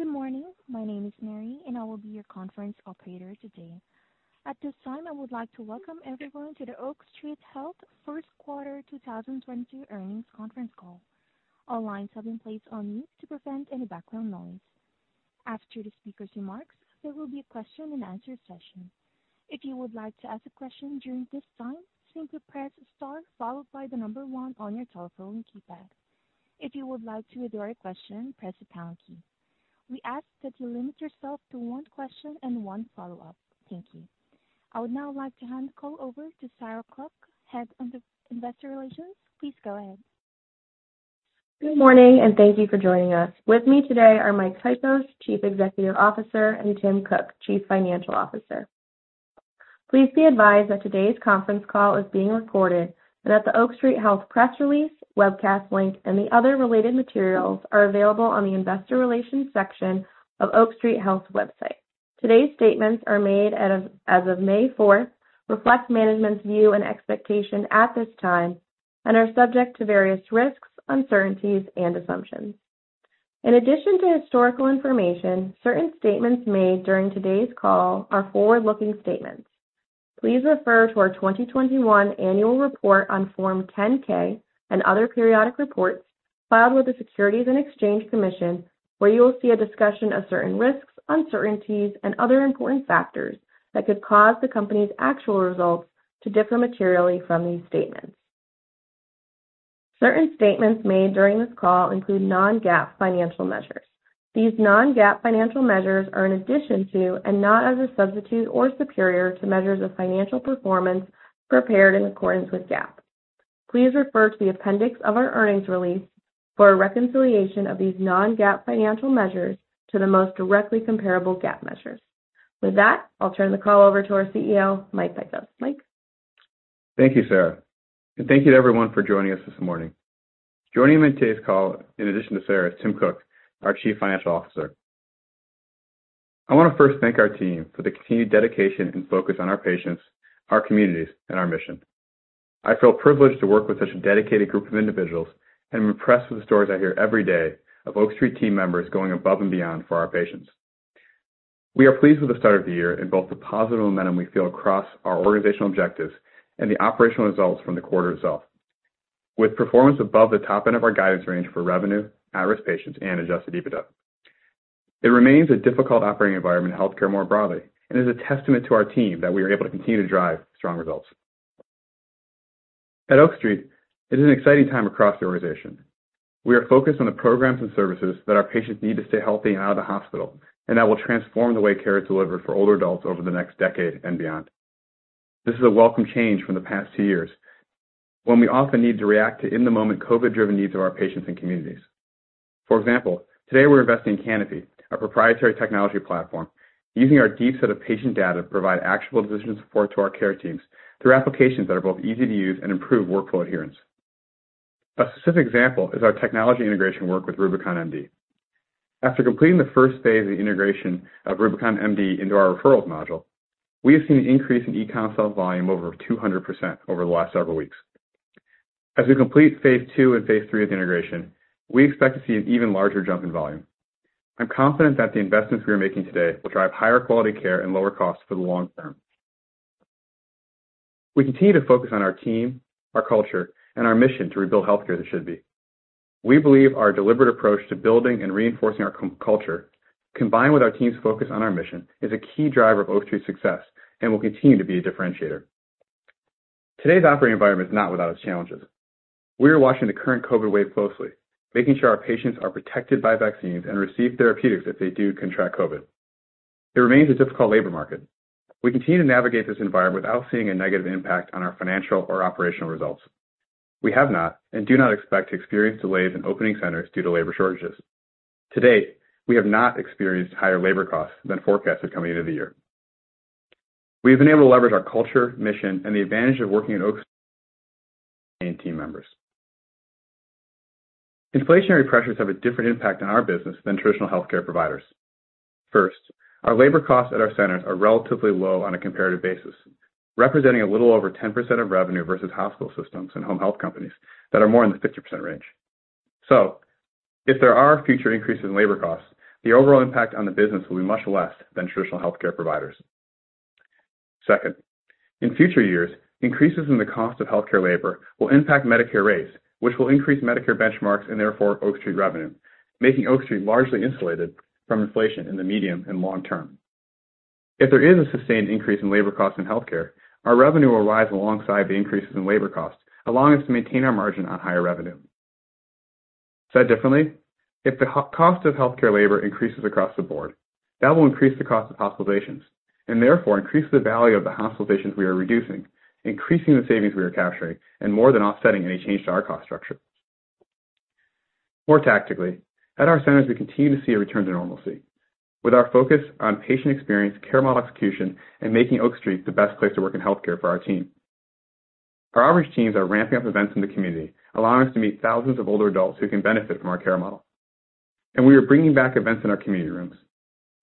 Good morning. My name is Mary, and I will be your conference operator today. At this time, I would like to welcome everyone to the Oak Street Health First Quarter 2022 Earnings Conference Call. All lines have been placed on mute to prevent any background noise. After the speaker's remarks, there will be a question and answer session. If you would like to ask a question during this time, simply press star followed by the number one on your telephone keypad. If you would like to withdraw your question, press the pound key. We ask that you limit yourself to one question and one follow-up. Thank you. I would now like to hand the call over to Sarah Cluck, Head of Investor Relations. Please go ahead. Good morning, and thank you for joining us. With me today are Mike Pykosz, Chief Executive Officer, and Timothy Cook, Chief Financial Officer. Please be advised that today's conference call is being recorded and that the Oak Street Health press release, webcast link, and the other related materials are available on the Investor Relations section of Oak Street Health's website. Today's statements are made as of May fourth, reflect management's view and expectation at this time and are subject to various risks, uncertainties, and assumptions. In addition to historical information, certain statements made during today's call are forward-looking statements. Please refer to our 2021 annual report on Form 10-K and other periodic reports filed with the Securities and Exchange Commission, where you will see a discussion of certain risks, uncertainties, and other important factors that could cause the company's actual results to differ materially from these statements. Certain statements made during this call include non-GAAP financial measures. These non-GAAP financial measures are in addition to and not as a substitute or superior to measures of financial performance prepared in accordance with GAAP. Please refer to the appendix of our earnings release for a reconciliation of these non-GAAP financial measures to the most directly comparable GAAP measures. With that, I'll turn the call over to our CEO, Mike Pykosz. Mike? Thank you, Sarah. Thank you to everyone for joining us this morning. Joining me on today's call, in addition to Sara, is Timothy Cook, our Chief Financial Officer. I wanna first thank our team for the continued dedication and focus on our patients, our communities, and our mission. I feel privileged to work with such a dedicated group of individuals, and I'm impressed with the stories I hear every day of Oak Street team members going above and beyond for our patients. We are pleased with the start of the year in both the positive momentum we feel across our organizational objectives and the operational results from the quarter itself. With performance above the top end of our guidance range for revenue, at-risk patients, and adjusted EBITDA. It remains a difficult operating environment in healthcare more broadly, and is a testament to our team that we are able to continue to drive strong results. At Oak Street, it is an exciting time across the organization. We are focused on the programs and services that our patients need to stay healthy and out of the hospital, and that will transform the way care is delivered for older adults over the next decade and beyond. This is a welcome change from the past two years, when we often need to react to in-the-moment COVID-driven needs of our patients and communities. For example, today we're investing in Canopy, our proprietary technology platform, using our deep set of patient data to provide actionable decision support to our care teams through applications that are both easy to use and improve workflow adherence. A specific example is our technology integration work with RubiconMD. After completing the first phase of the integration of RubiconMD into our referrals module, we have seen an increase in eConsult volume over 200% over the last several weeks. As we complete phase two and phase three of the integration, we expect to see an even larger jump in volume. I'm confident that the investments we are making today will drive higher quality care and lower costs for the long term. We continue to focus on our team, our culture, and our mission to rebuild healthcare as it should be. We believe our deliberate approach to building and reinforcing our culture, combined with our team's focus on our mission, is a key driver of Oak Street's success and will continue to be a differentiator. Today's operating environment is not without its challenges. We are watching the current COVID wave closely, making sure our patients are protected by vaccines and receive therapeutics if they do contract COVID. It remains a difficult labor market. We continue to navigate this environment without seeing a negative impact on our financial or operational results. We have not and do not expect to experience delays in opening centers due to labor shortages. To date, we have not experienced higher labor costs than forecasted coming into the year. We have been able to leverage our culture, mission, and the advantage of working at Oak Street to team members. Inflationary pressures have a different impact on our business than traditional healthcare providers. First, our labor costs at our centers are relatively low on a comparative basis, representing a little over 10% of revenue versus hospital systems and home health companies that are more in the 50% range. If there are future increases in labor costs, the overall impact on the business will be much less than traditional healthcare providers. Second, in future years, increases in the cost of healthcare labor will impact Medicare rates, which will increase Medicare benchmarks and therefore Oak Street revenue, making Oak Street largely insulated from inflation in the medium and long term. If there is a sustained increase in labor costs in healthcare, our revenue will rise alongside the increases in labor costs, allowing us to maintain our margin on higher revenue. Said differently, if the high cost of healthcare labor increases across the board, that will increase the cost of hospitalizations and therefore increase the value of the hospitalizations we are reducing, increasing the savings we are capturing and more than offsetting any change to our cost structure. More tactically, at our centers we continue to see a return to normalcy with our focus on patient experience, care model execution, and making Oak Street the best place to work in healthcare for our team. Our outreach teams are ramping up events in the community, allowing us to meet thousands of older adults who can benefit from our care model. We are bringing back events in our community rooms.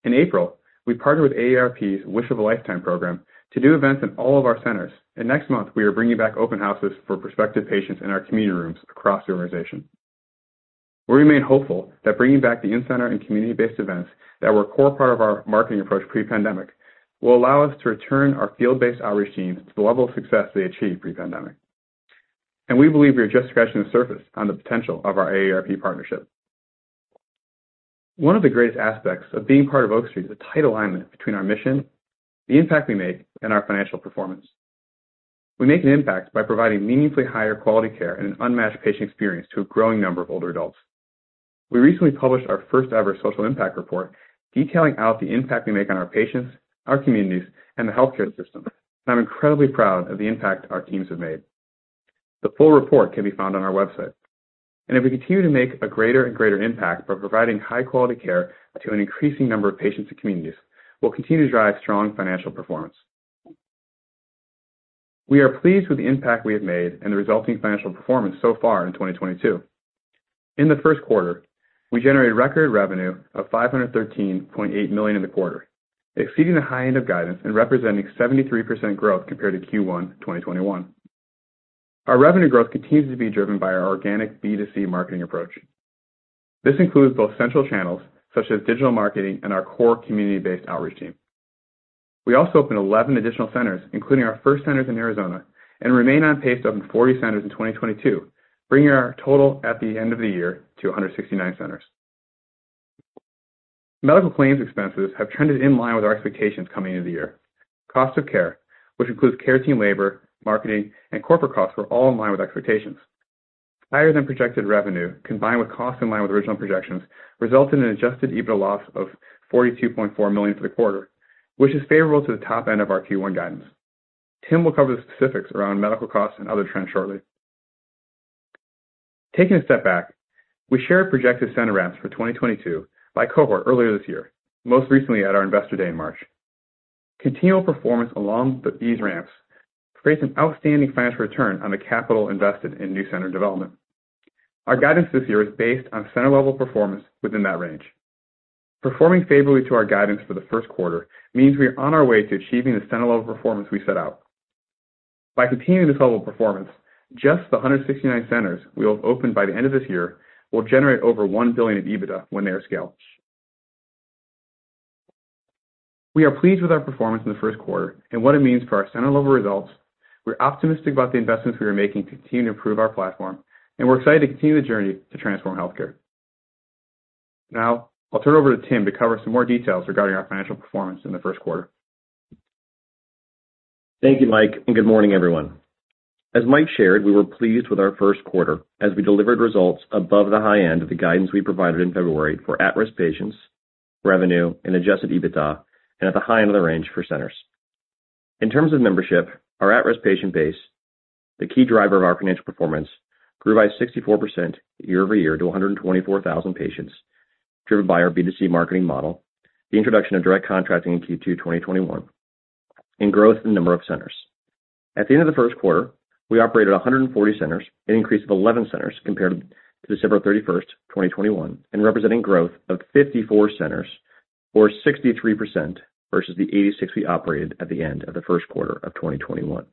In April, we partnered with AARP's Wish of a Lifetime program to do events in all of our centers. Next month, we are bringing back open houses for prospective patients in our community rooms across the organization. We remain hopeful that bringing back the in-center and community-based events that were a core part of our marketing approach pre-pandemic will allow us to return our field-based outreach team to the level of success they achieved pre-pandemic. We believe we are just scratching the surface on the potential of our AARP partnership. One of the greatest aspects of being part of Oak Street is the tight alignment between our mission, the impact we make, and our financial performance. We make an impact by providing meaningfully higher quality care and an unmatched patient experience to a growing number of older adults. We recently published our first-ever social impact report detailing out the impact we make on our patients, our communities, and the healthcare system. I'm incredibly proud of the impact our teams have made. The full report can be found on our website. If we continue to make a greater and greater impact by providing high quality care to an increasing number of patients and communities, we'll continue to drive strong financial performance. We are pleased with the impact we have made and the resulting financial performance so far in 2022. In the first quarter, we generated record revenue of $513.8 million in the quarter, exceeding the high end of guidance and representing 73% growth compared to Q1 2021. Our revenue growth continues to be driven by our organic B2C marketing approach. This includes both central channels such as digital marketing and our core community-based outreach team. We also opened 11 additional centers, including our first centers in Arizona, and remain on pace to open 40 centers in 2022, bringing our total at the end of the year to 169 centers. Medical claims expenses have trended in line with our expectations coming into the year. Cost of care, which includes care team labor, marketing, and corporate costs, were all in line with expectations. Higher than projected revenue, combined with costs in line with original projections, resulted in an adjusted EBITDA loss of $42.4 million for the quarter, which is favorable to the top end of our Q1 guidance. Tim will cover the specifics around medical costs and other trends shortly. Taking a step back, we shared projected center ramps for 2022 by cohort earlier this year, most recently at our Investor Day in March. Continual performance along these ramps creates an outstanding financial return on the capital invested in new center development. Our guidance this year is based on center-level performance within that range. Performing favorably to our guidance for the first quarter means we are on our way to achieving the center-level performance we set out. By continuing this level of performance, just the 169 centers we will open by the end of this year will generate over $1 billion in EBITDA when they are scaled. We are pleased with our performance in the first quarter and what it means for our center-level results. We're optimistic about the investments we are making to continue to improve our platform, and we're excited to continue the journey to transform healthcare. Now, I'll turn it over to Timothy to cover some more details regarding our financial performance in the first quarter. Thank you, Mike, and good morning, everyone. As Mike shared, we were pleased with our first quarter as we delivered results above the high end of the guidance we provided in February for at-risk patients, revenue, and adjusted EBITDA, and at the high end of the range for centers. In terms of membership, our at-risk patient base, the key driver of our financial performance, grew by 64% year-over-year to 124,000 patients, driven by our B2C marketing model, the introduction of Direct Contracting in Q2 2021, and growth in the number of centers. At the end of the first quarter, we operated 140 centers, an increase of 11 centers compared to December 31, 2021, and representing growth of 54 centers or 63% versus the 86 we operated at the end of the first quarter of 2021.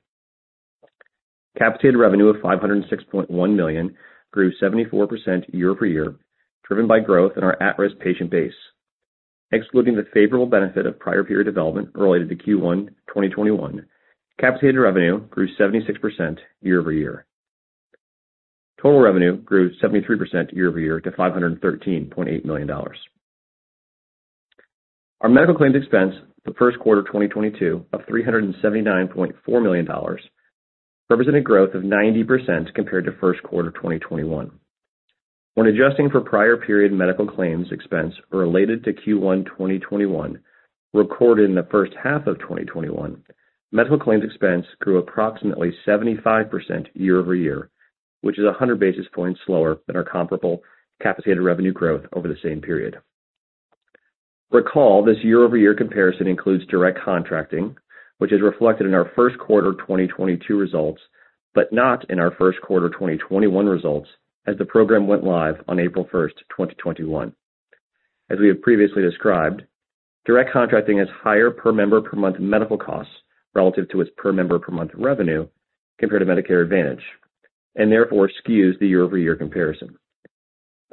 Capitated revenue of $506.1 million grew 74% year-over-year, driven by growth in our at-risk patient base. Excluding the favorable benefit of prior period development related to Q1 2021, capitated revenue grew 76% year-over-year. Total revenue grew 73% year-over-year to $513.8 million. Our medical claims expense for first quarter 2022 of $379.4 million represented growth of 90% compared to first quarter 2021. When adjusting for prior period medical claims expense related to Q1 2021 recorded in the first half of 2021, medical claims expense grew approximately 75% year-over-year, which is 100 basis points slower than our comparable capitated revenue growth over the same period. Recall, this year-over-year comparison includes Direct Contracting, which is reflected in our first quarter 2022 results, but not in our first quarter 2021 results as the program went live on April 1, 2021. As we have previously described, Direct Contracting has higher per member per month medical costs relative to its per member per month revenue compared to Medicare Advantage, and therefore skews the year-over-year comparison.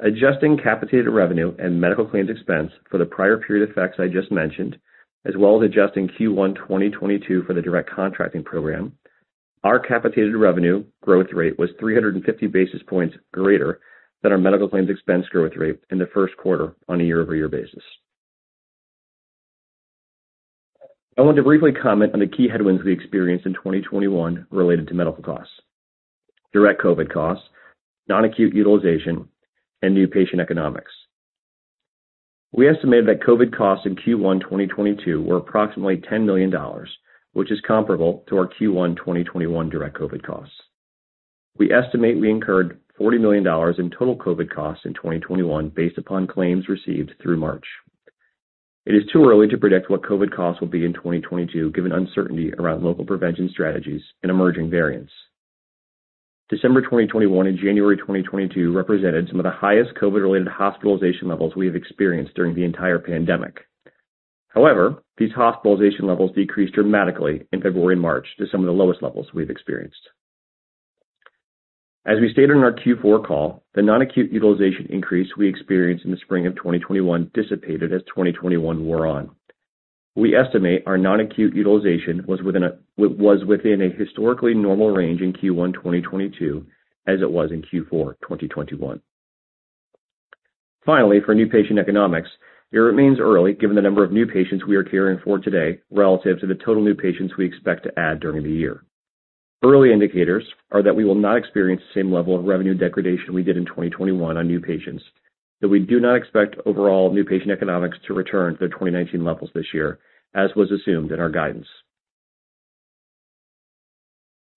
Adjusting capitated revenue and medical claims expense for the prior period effects I just mentioned, as well as adjusting Q1 2022 for the Direct Contracting program, our capitated revenue growth rate was 350 basis points greater than our medical claims expense growth rate in the first quarter on a year-over-year basis. I want to briefly comment on the key headwinds we experienced in 2021 related to medical costs: direct COVID costs, non-acute utilization, and new patient economics. We estimated that COVID costs in Q1 2022 were approximately $10 million, which is comparable to our Q1 2021 direct COVID costs. We estimate we incurred $40 million in total COVID costs in 2021 based upon claims received through March. It is too early to predict what COVID costs will be in 2022, given uncertainty around local prevention strategies and emerging variants. December 2021 and January 2022 represented some of the highest COVID-related hospitalization levels we have experienced during the entire pandemic. However, these hospitalization levels decreased dramatically in February and March to some of the lowest levels we've experienced. As we stated on our Q4 call, the non-acute utilization increase we experienced in the spring of 2021 dissipated as 2021 wore on. We estimate our non-acute utilization was within a historically normal range in Q1 2022, as it was in Q4 2021. Finally, for new patient economics, it remains early given the number of new patients we are caring for today relative to the total new patients we expect to add during the year. Early indicators are that we will not experience the same level of revenue degradation we did in 2021 on new patients, though we do not expect overall new patient economics to return to their 2019 levels this year, as was assumed in our guidance.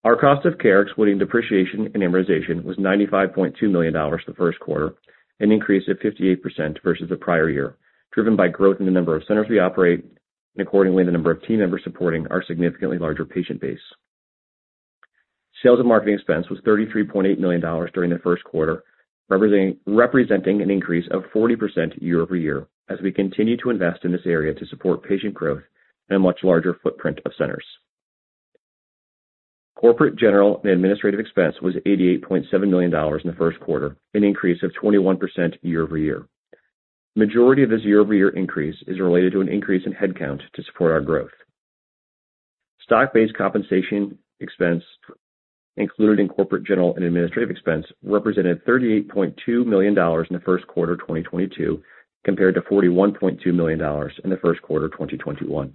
Our cost of care, excluding depreciation and amortization, was $95.2 million the first quarter, an increase of 58% versus the prior year, driven by growth in the number of centers we operate and accordingly, the number of team members supporting our significantly larger patient base. Sales and marketing expense was $33.8 million during the first quarter, representing an increase of 40% year-over-year as we continue to invest in this area to support patient growth and a much larger footprint of centers. Corporate general and administrative expense was $88.7 million in the first quarter, an increase of 21% year-over-year. Majority of this year-over-year increase is related to an increase in headcount to support our growth. Stock-based compensation expense included in corporate general and administrative expense represented $38.2 million in the first quarter of 2022 compared to $41.2 million in the first quarter of 2021.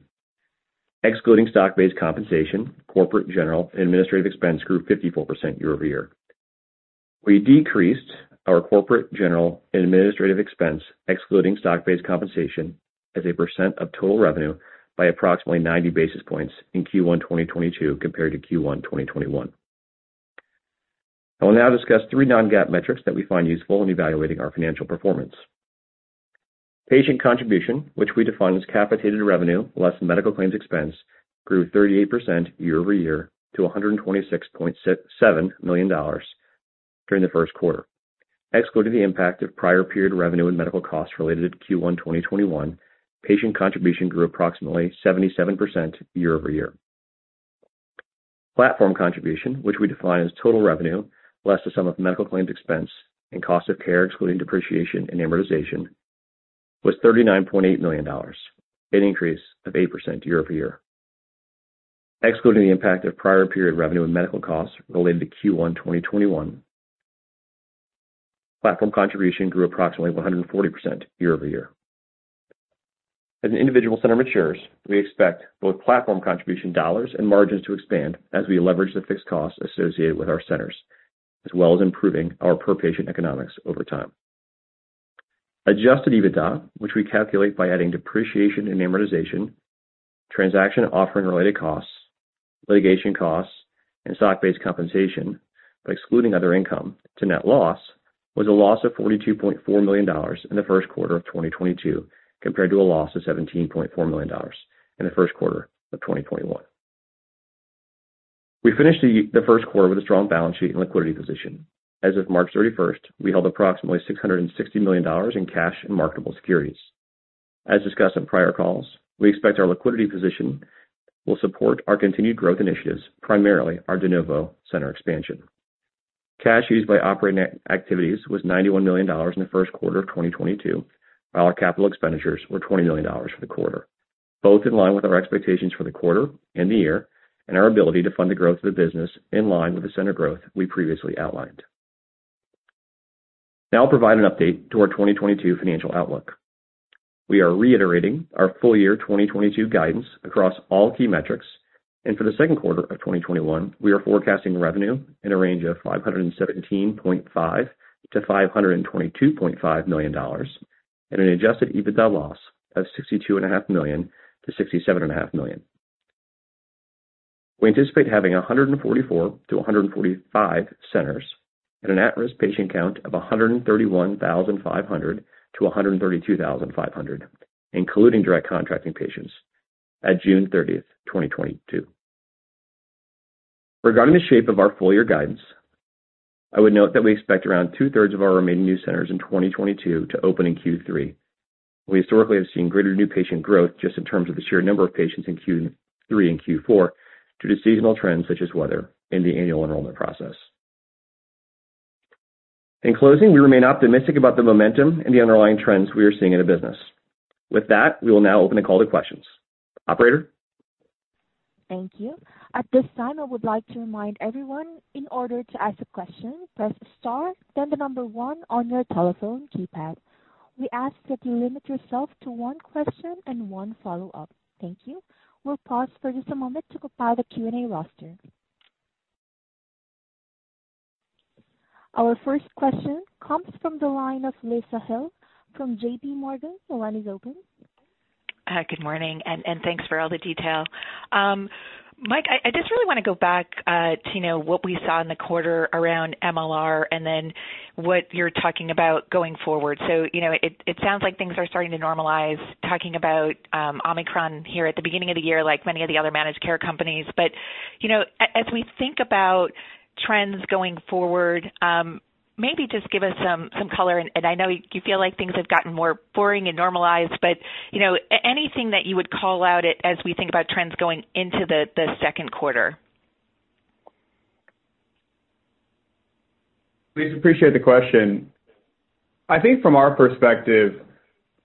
Excluding stock-based compensation, corporate general and administrative expense grew 54% year-over-year. We decreased our corporate general and administrative expense, excluding stock-based compensation as a percent of total revenue by approximately 90 basis points in Q1 2022 compared to Q1 2021. I will now discuss three non-GAAP metrics that we find useful in evaluating our financial performance. Patient contribution, which we define as capitated revenue less medical claims expense, grew 38% year-over-year to $126.7 million during the first quarter. Excluding the impact of prior period revenue and medical costs related to Q1 2021, patient contribution grew approximately 77% year-over-year. Platform contribution, which we define as total revenue less the sum of medical claims expense and cost of care, excluding depreciation and amortization, was $39.8 million, an increase of 8% year-over-year. Excluding the impact of prior period revenue and medical costs related to Q1 2021, platform contribution grew approximately 140% year-over-year. As an individual center matures, we expect both platform contribution dollars and margins to expand as we leverage the fixed costs associated with our centers, as well as improving our per-patient economics over time. Adjusted EBITDA, which we calculate by adding depreciation and amortization, transaction offering related costs, litigation costs, and stock-based compensation, by excluding other income to net loss, was a loss of $42.4 million in the first quarter of 2022 compared to a loss of $17.4 million in the first quarter of 2021. We finished the first quarter with a strong balance sheet and liquidity position. As of March 31, we held approximately $660 million in cash and marketable securities. As discussed on prior calls, we expect our liquidity position will support our continued growth initiatives, primarily our de novo center expansion. Cash used by operating activities was $91 million in the first quarter of 2022, while our capital expenditures were $20 million for the quarter, both in line with our expectations for the quarter and the year, and our ability to fund the growth of the business in line with the center growth we previously outlined. Now I'll provide an update to our 2022 financial outlook. We are reiterating our full year 2022 guidance across all key metrics, and for the second quarter of 2021, we are forecasting revenue in a range of $517.5 million-$522.5 million and an adjusted EBITDA loss of $62.5 million-$67.5 million. We anticipate having 144-145 centers at an at-risk patient count of 131,500-132,500, including Direct Contracting patients at June 30, 2022. Regarding the shape of our full year guidance, I would note that we expect around two-thirds of our remaining new centers in 2022 to open in Q3. We historically have seen greater new patient growth just in terms of the sheer number of patients in Q3 and Q4 due to seasonal trends such as weather and the annual enrollment process. In closing, we remain optimistic about the momentum and the underlying trends we are seeing in the business. With that, we will now open the call to questions. Operator? Thank you. At this time, I would like to remind everyone in order to ask a question, press star then the number one on your telephone keypad. We ask that you limit yourself to one question and one follow-up. Thank you. We'll pause for just a moment to compile the Q&A roster. Our first question comes from the line of Lisa Gill from JPMorgan. Your line is open. Good morning, and thanks for all the detail. Mike, I just really wanna go back to, you know, what we saw in the quarter around MLR and then what you're talking about going forward. You know, it sounds like things are starting to normalize, talking about Omicron here at the beginning of the year like many of the other managed care companies. As we think about Trends going forward, maybe just give us some color. I know you feel like things have gotten more boring and normalized, but you know, anything that you would call out as we think about trends going into the second quarter. Lisa, I appreciate the question. I think from our perspective,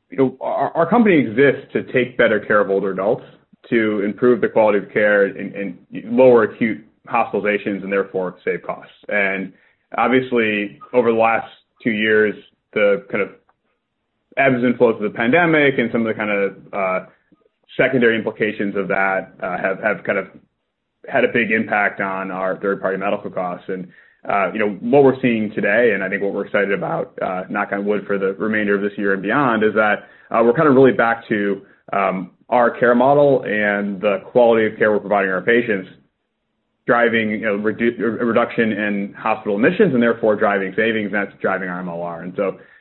you know, our company exists to take better care of older adults, to improve the quality of care and lower acute hospitalizations and therefore save costs. Obviously, over the last 2 years, the kind of ebbs and flows of the pandemic and some of the kind of secondary implications of that have kind of had a big impact on our third-party medical costs. You know, what we're seeing today, and I think what we're excited about, knock on wood, for the remainder of this year and beyond, is that we're kind of really back to our care model and the quality of care we're providing our patients, driving a reduction in hospital admissions and therefore driving savings, and that's driving our MLR.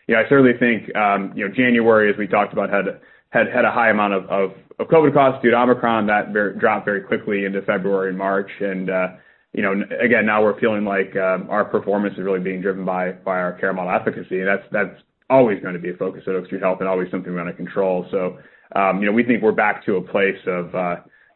You know, I certainly think, you know, January, as we talked about, had a high amount of COVID costs due to Omicron that dropped very quickly into February and March. You know, again, now we're feeling like our performance is really being driven by our care model efficacy. That's always gonna be a focus at Oak Street Health and always something we wanna control. You know, we think we're back to a place of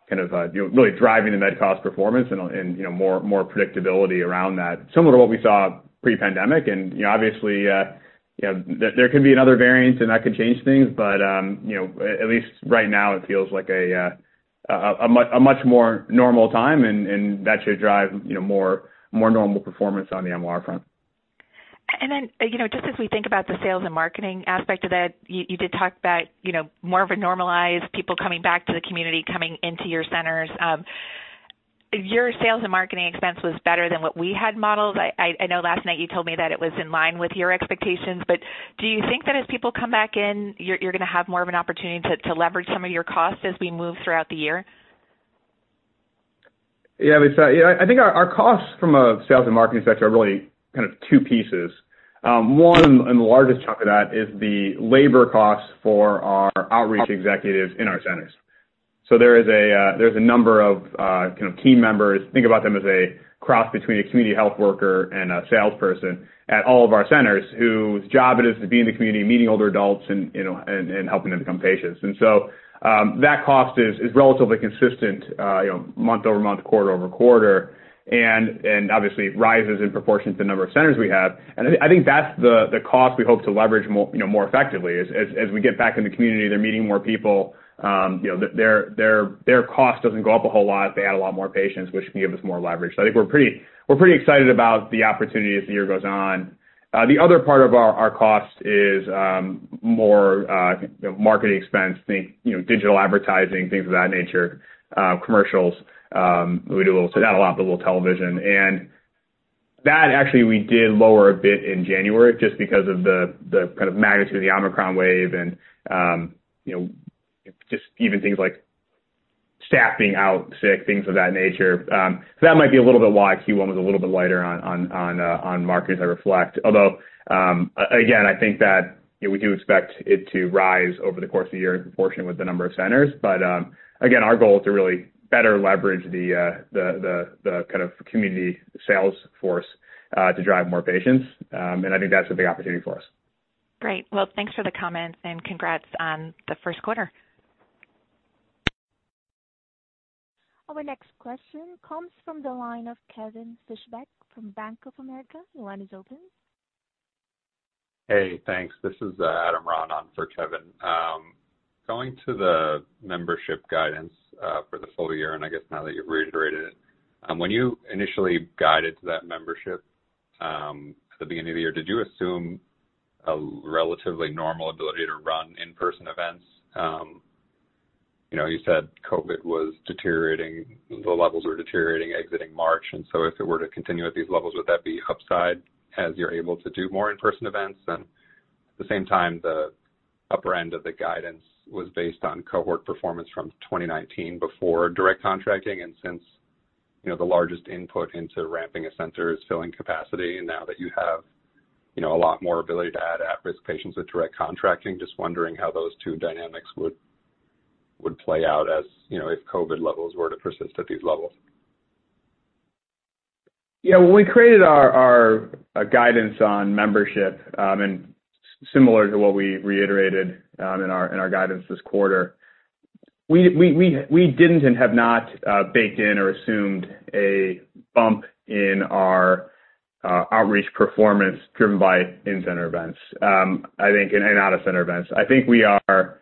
kind of, you know, really driving the med cost performance and, you know, more predictability around that, similar to what we saw pre-pandemic. You know, obviously, you know, there could be another variant and that could change things. You know, at least right now it feels like a much more normal time and that should drive you know, more normal performance on the MLR front. You know, just as we think about the sales and marketing aspect of it, you did talk about, you know, more of a normalized people coming back to the community, coming into your centers. Your sales and marketing expense was better than what we had modeled. I know last night you told me that it was in line with your expectations. Do you think that as people come back in, you're gonna have more of an opportunity to leverage some of your costs as we move throughout the year? Yeah, Lisa. Yeah, I think our costs from a sales and marketing sector are really kind of two pieces. One, and the largest chunk of that, is the labor costs for our outreach executives in our centers. There is a number of kind of team members, think about them as a cross between a community health worker and a salesperson, at all of our centers whose job it is to be in the community, meeting older adults and, you know, helping them become patients. That cost is relatively consistent, you know, month-over-month, quarter-over-quarter. Obviously it rises in proportion to the number of centers we have. I think that's the cost we hope to leverage, you know, more effectively. As we get back in the community, they're meeting more people, you know, their cost doesn't go up a whole lot if they add a lot more patients, which can give us more leverage. I think we're pretty excited about the opportunity as the year goes on. The other part of our cost is more, you know, marketing expense, things, you know, digital advertising, things of that nature, commercials. We do a little television. Not a lot, but a little television. That actually we did lower a bit in January just because of the kind of magnitude of the Omicron wave and, you know, just even things like staff being out sick, things of that nature. That might be a little bit why Q1 was a little bit lighter on marketing as I reflect. Although, I think that, you know, we do expect it to rise over the course of the year in proportion with the number of centers. Again, our goal is to really better leverage the kind of community sales force to drive more patients. I think that's a big opportunity for us. Great. Well, thanks for the comments, and congrats on the first quarter. Our next question comes from the line of Kevin Fischbeck from Bank of America. Your line is open. Hey, thanks. This is Adam Ron on for Kevin. Going to the membership guidance for the full year, and I guess now that you've reiterated it, when you initially guided to that membership at the beginning of the year, did you assume a relatively normal ability to run in-person events? You know, you said COVID was deteriorating, the levels were deteriorating exiting March, and so if it were to continue at these levels, would that be upside as you're able to do more in-person events? The upper end of the guidance was based on cohort performance from 2019 before Direct Contracting. Since, you know, the largest input into ramping a center is filling capacity, and now that you have, you know, a lot more ability to add at-risk patients with Direct Contracting, just wondering how those two dynamics would play out as, you know, if COVID levels were to persist at these levels. Yeah. When we created our guidance on membership, and similar to what we reiterated in our guidance this quarter, we didn't and have not baked in or assumed a bump in our outreach performance driven by in-center events, I think, and out-of-center events. I think we are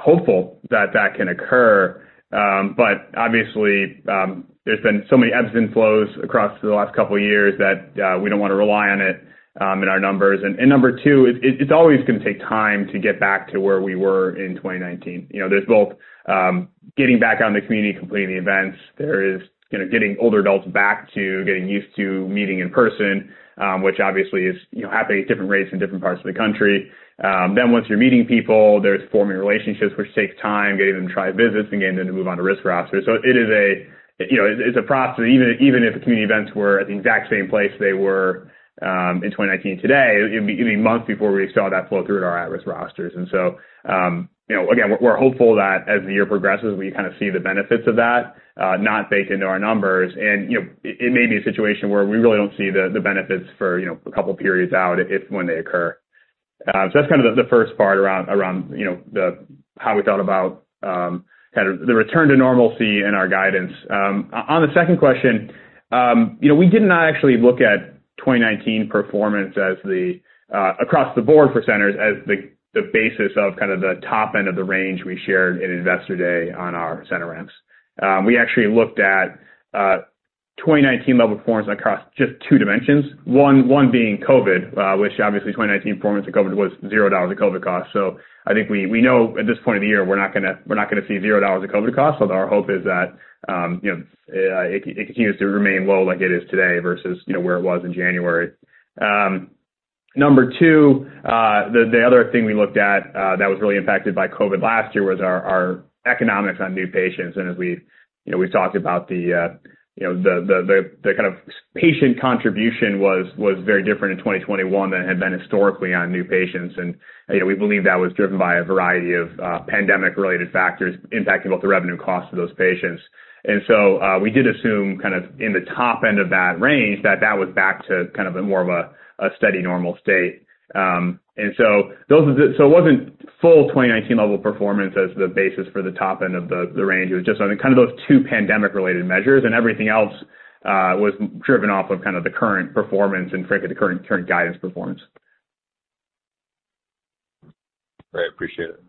hopeful that that can occur. But obviously, there's been so many ebbs and flows across the last couple of years that we don't wanna rely on it in our numbers. Number two, it's always gonna take time to get back to where we were in 2019. You know, there's both getting back out in the community, completing the events. There is, you know, getting older adults back to getting used to meeting in person, which obviously is, you know, happening at different rates in different parts of the country. Once you're meeting people, there's forming relationships, which takes time, getting them to try visits and getting them to move on to risk rosters. It is a, you know, it's a process. Even if the community events were at the exact same place they were in 2019 today, it'd be months before we saw that flow through to our at-risk rosters. You know, again, we're hopeful that as the year progresses, we kind of see the benefits of that, not baked into our numbers. You know, it may be a situation where we really don't see the benefits for, you know, a couple periods out if and when they occur. That's kind of the first part around, you know, how we thought about kind of the return to normalcy in our guidance. On the second question, you know, we did not actually look at 2019 performance as the across the board for centers as the basis of kind of the top end of the range we shared in Investor Day on our center ramps. We actually looked at 2019 level performance across just two dimensions. One being COVID, which obviously 2019 performance of COVID was $0 of COVID costs. I think we know at this point in the year, we're not gonna see $0 of COVID costs, although our hope is that it continues to remain low like it is today versus where it was in January. Number two, the other thing we looked at that was really impacted by COVID last year was our economics on new patients. As we, you know, we've talked about, the kind of patient contribution was very different in 2021 than it had been historically on new patients. You know, we believe that was driven by a variety of pandemic-related factors impacting both the revenue and costs of those patients. We did assume kind of in the top end of that range that was back to kind of a more steady normal state. It wasn't full 2019 level performance as the basis for the top end of the range. It was just on kind of those two pandemic-related measures, and everything else was driven off of kind of the current performance and the current guidance performance. Great. Appreciate it.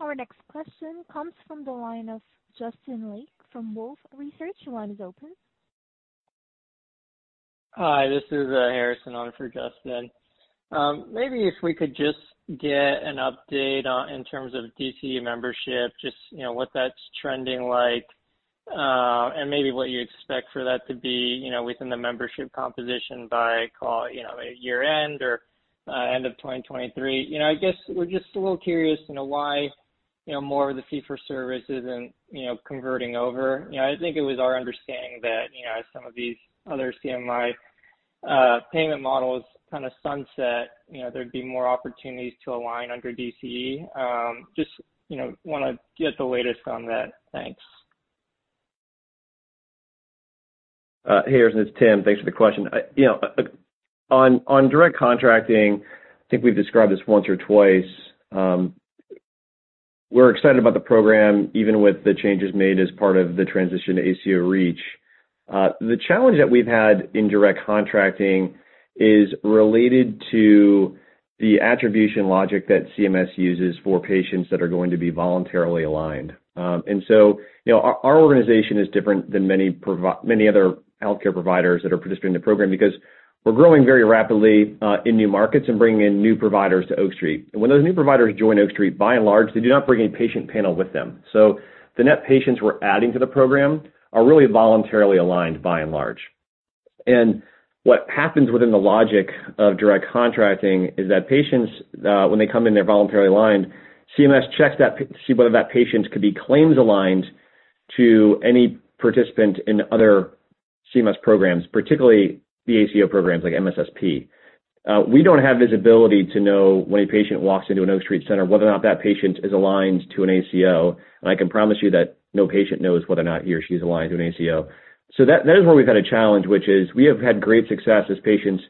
Our next question comes from the line of Justin Lake from Wolfe Research. Your line is open. Hi, this is Harrison on for Justin. Maybe if we could just get an update on, in terms of DCE membership, just, you know, what that's trending like, and maybe what you expect for that to be, you know, within the membership composition by calendar year-end or end of 2023. You know, I guess we're just a little curious, you know, why, you know, more of the fee for service isn't, you know, converting over. You know, I think it was our understanding that, you know, as some of these other CMMI payment models kind of sunset, you know, there'd be more opportunities to align under DCE. Just, you know, wanna get the latest on that. Thanks. Hey, Harrison. It's Timothy. Thanks for the question. You know, on Direct Contracting, I think we've described this once or twice. We're excited about the program even with the changes made as part of the transition to ACO REACH. The challenge that we've had in Direct Contracting is related to the attribution logic that CMS uses for patients that are going to be voluntarily aligned. You know, our organization is different than many other healthcare providers that are participating in the program because we're growing very rapidly in new markets and bringing in new providers to Oak Street. When those new providers join Oak Street, by and large, they do not bring any patient panel with them. The net patients we're adding to the program are really voluntarily aligned by and large. What happens within the logic of direct contracting is that patients, when they come in, they're voluntarily aligned. CMS checks whether that patient could be claims aligned to any participant in other CMS programs, particularly the ACO programs like MSSP. We don't have visibility to know when a patient walks into an Oak Street center, whether or not that patient is aligned to an ACO, and I can promise you that no patient knows whether or not he or she is aligned to an ACO. That is where we've had a challenge, which is we have had great success as patients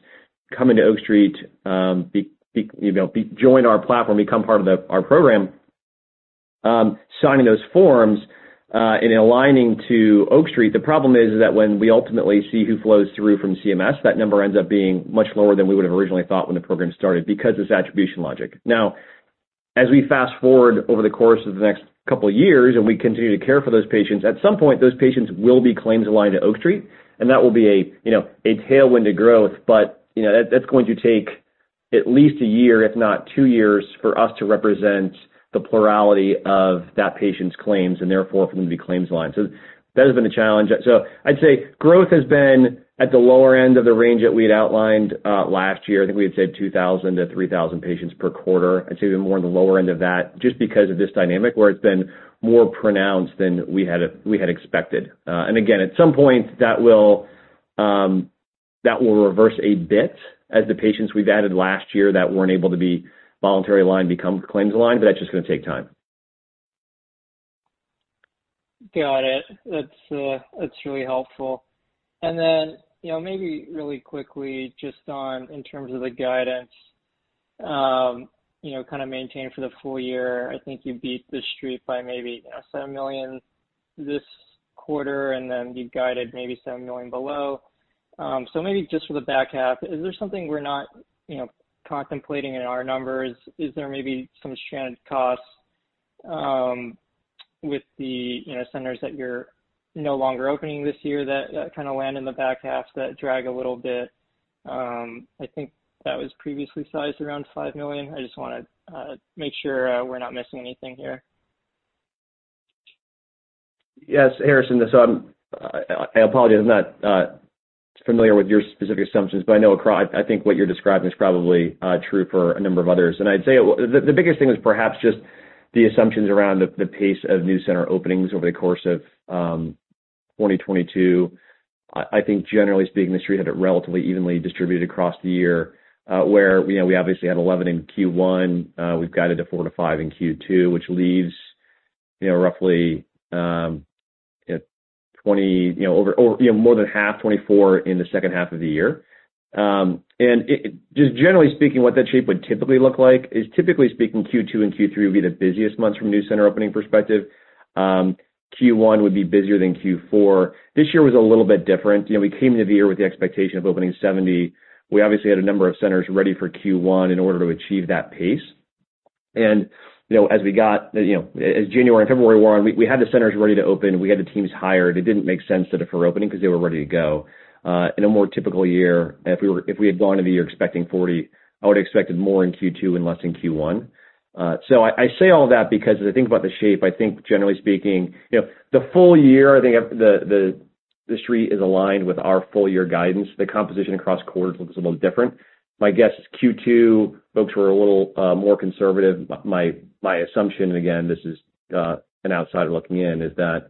come into Oak Street, you know, join our platform, become part of our program, signing those forms, and aligning to Oak Street. The problem is that when we ultimately see who flows through from CMS, that number ends up being much lower than we would have originally thought when the program started because of this attribution logic. Now, as we fast-forward over the course of the next couple of years, and we continue to care for those patients, at some point, those patients will be claims aligned to Oak Street, and that will be a, you know, a tailwind to growth. You know, that's going to take at least a year, if not two years, for us to represent the plurality of that patient's claims and therefore for them to be claims aligned. That has been a challenge. I'd say growth has been at the lower end of the range that we had outlined last year. I think we had said 2,000-3,000 patients per quarter. I'd say they're more on the lower end of that just because of this dynamic where it's been more pronounced than we had expected. Again, at some point, that will reverse a bit as the patients we've added last year that weren't able to be voluntarily aligned become claims aligned, but that's just gonna take time. Got it. That's really helpful. You know, maybe really quickly just on in terms of the guidance, you know, kind of maintained for the full year. I think you beat the street by maybe $7 million this quarter, and then you've guided maybe $7 million below. Maybe just for the back half, is there something we're not contemplating in our numbers? Is there maybe some stranded costs with the centers that you're no longer opening this year that kind of land in the back half that drag a little bit? I think that was previously sized around $5 million. I just wanna make sure we're not missing anything here. Yes, Harrison. I apologize. I'm not familiar with your specific assumptions, but I know I think what you're describing is probably true for a number of others. I'd say the biggest thing is perhaps just the assumptions around the pace of new center openings over the course of 2022. I think generally speaking, the street had it relatively evenly distributed across the year, where you know, we obviously had 11 in Q1. We've guided to 4-5 in Q2, which leaves you know, roughly, more than half 24 in the second half of the year. Just generally speaking, what that shape would typically look like is Q2 and Q3 would be the busiest months from a new center opening perspective. Q1 would be busier than Q4. This year was a little bit different. You know, we came into the year with the expectation of opening 70. We obviously had a number of centers ready for Q1 in order to achieve that pace. You know, as January and February wore on, we had the centers ready to open. We had the teams hired. It didn't make sense to defer opening because they were ready to go. In a more typical year, if we had gone into the year expecting 40, I would have expected more in Q2 and less in Q1. I say all that because as I think about the shape, I think generally speaking, you know, the full year, I think the street is aligned with our full year guidance. The composition across quarters looks a little different. My guess is Q2 folks were a little more conservative. My assumption, and again, this is an outsider looking in, is that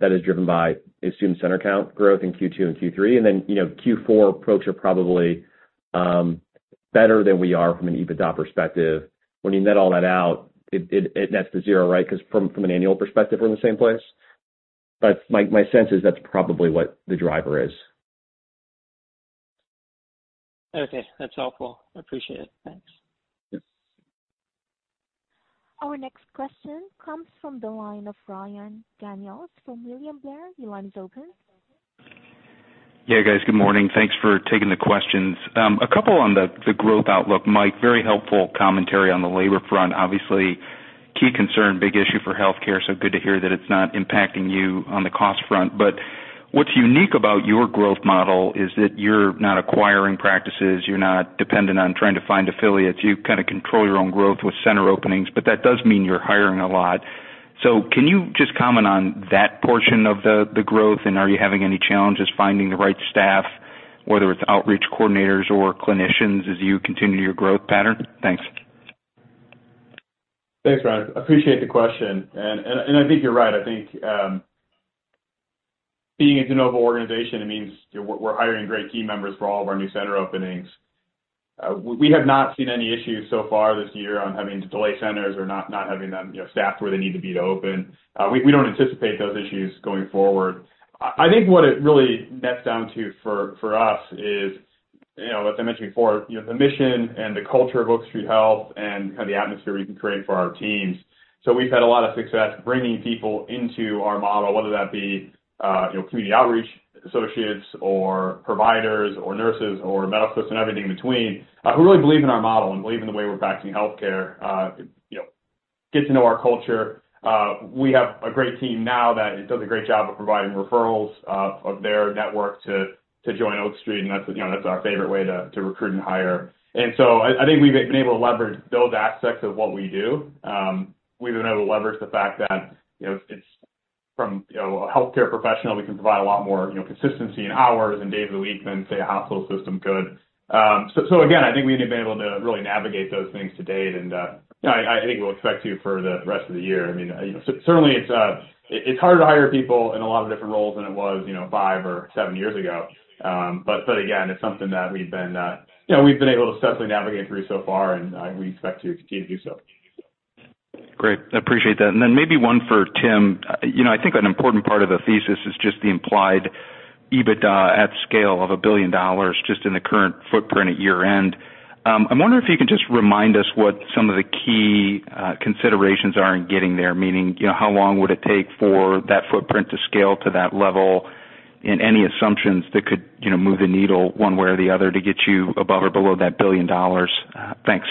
is driven by a center count growth in Q2 and Q3. Then, you know, Q4 folks are probably better than we are from an EBITDA perspective. When you net all that out, it nets to zero, right? Because from an annual perspective, we're in the same place. But my sense is that's probably what the driver is. Okay. That's helpful. I appreciate it. Thanks. Yes. Our next question comes from the line of Ryan Daniels from William Blair. Your line is open. Yeah, guys, good morning. Thanks for taking the questions. A couple on the growth outlook. Mike, very helpful commentary on the labor front. Obviously, key concern, big issue for healthcare, so good to hear that it's not impacting you on the cost front. What's unique about your growth model is that you're not acquiring practices. You're not dependent on trying to find affiliates. You kind of control your own growth with center openings, but that does mean you're hiring a lot. Can you just comment on that portion of the growth? Are you having any challenges finding the right staff, whether it's outreach coordinators or clinicians, as you continue your growth pattern? Thanks. Thanks, Ryan. Appreciate the question. I think you're right. I think, being a de novo organization, it means we're hiring great team members for all of our new center openings. We have not seen any issues so far this year on having to delay centers or not having them, you know, staffed where they need to be to open. We don't anticipate those issues going forward. I think what it really nets down to for us is, you know, as I mentioned before, you know, the mission and the culture of Oak Street Health and kind of the atmosphere we can create for our teams. We've had a lot of success bringing people into our model, whether that be, you know, community outreach associates or providers or nurses or medical assistants and everything between, who really believe in our model and believe in the way we're practicing healthcare, you know, get to know our culture. We have a great team now that does a great job of providing referrals of their network to join Oak Street, and that's, you know, that's our favorite way to recruit and hire. I think we've been able to leverage those aspects of what we do. We've been able to leverage the fact that, you know, it's from, you know, a healthcare professional, we can provide a lot more, you know, consistency in hours and days of the week than, say, a hospital system could. Again, I think we've been able to really navigate those things to date. You know, I think we'll expect to for the rest of the year. I mean, you know, certainly it's harder to hire people in a lot of different roles than it was, you know, five or seven years ago. Again, it's something that we've been able to successfully navigate through so far, and we expect to continue to do so. Great. I appreciate that. Maybe one for Tim. You know, I think an important part of the thesis is just the implied EBITDA at scale of $1 billion just in the current footprint at year-end. I'm wondering if you can just remind us what some of the key considerations are in getting there, meaning, you know, how long would it take for that footprint to scale to that level, and any assumptions that could, you know, move the needle one way or the other to get you above or below that $1 billion? Thanks.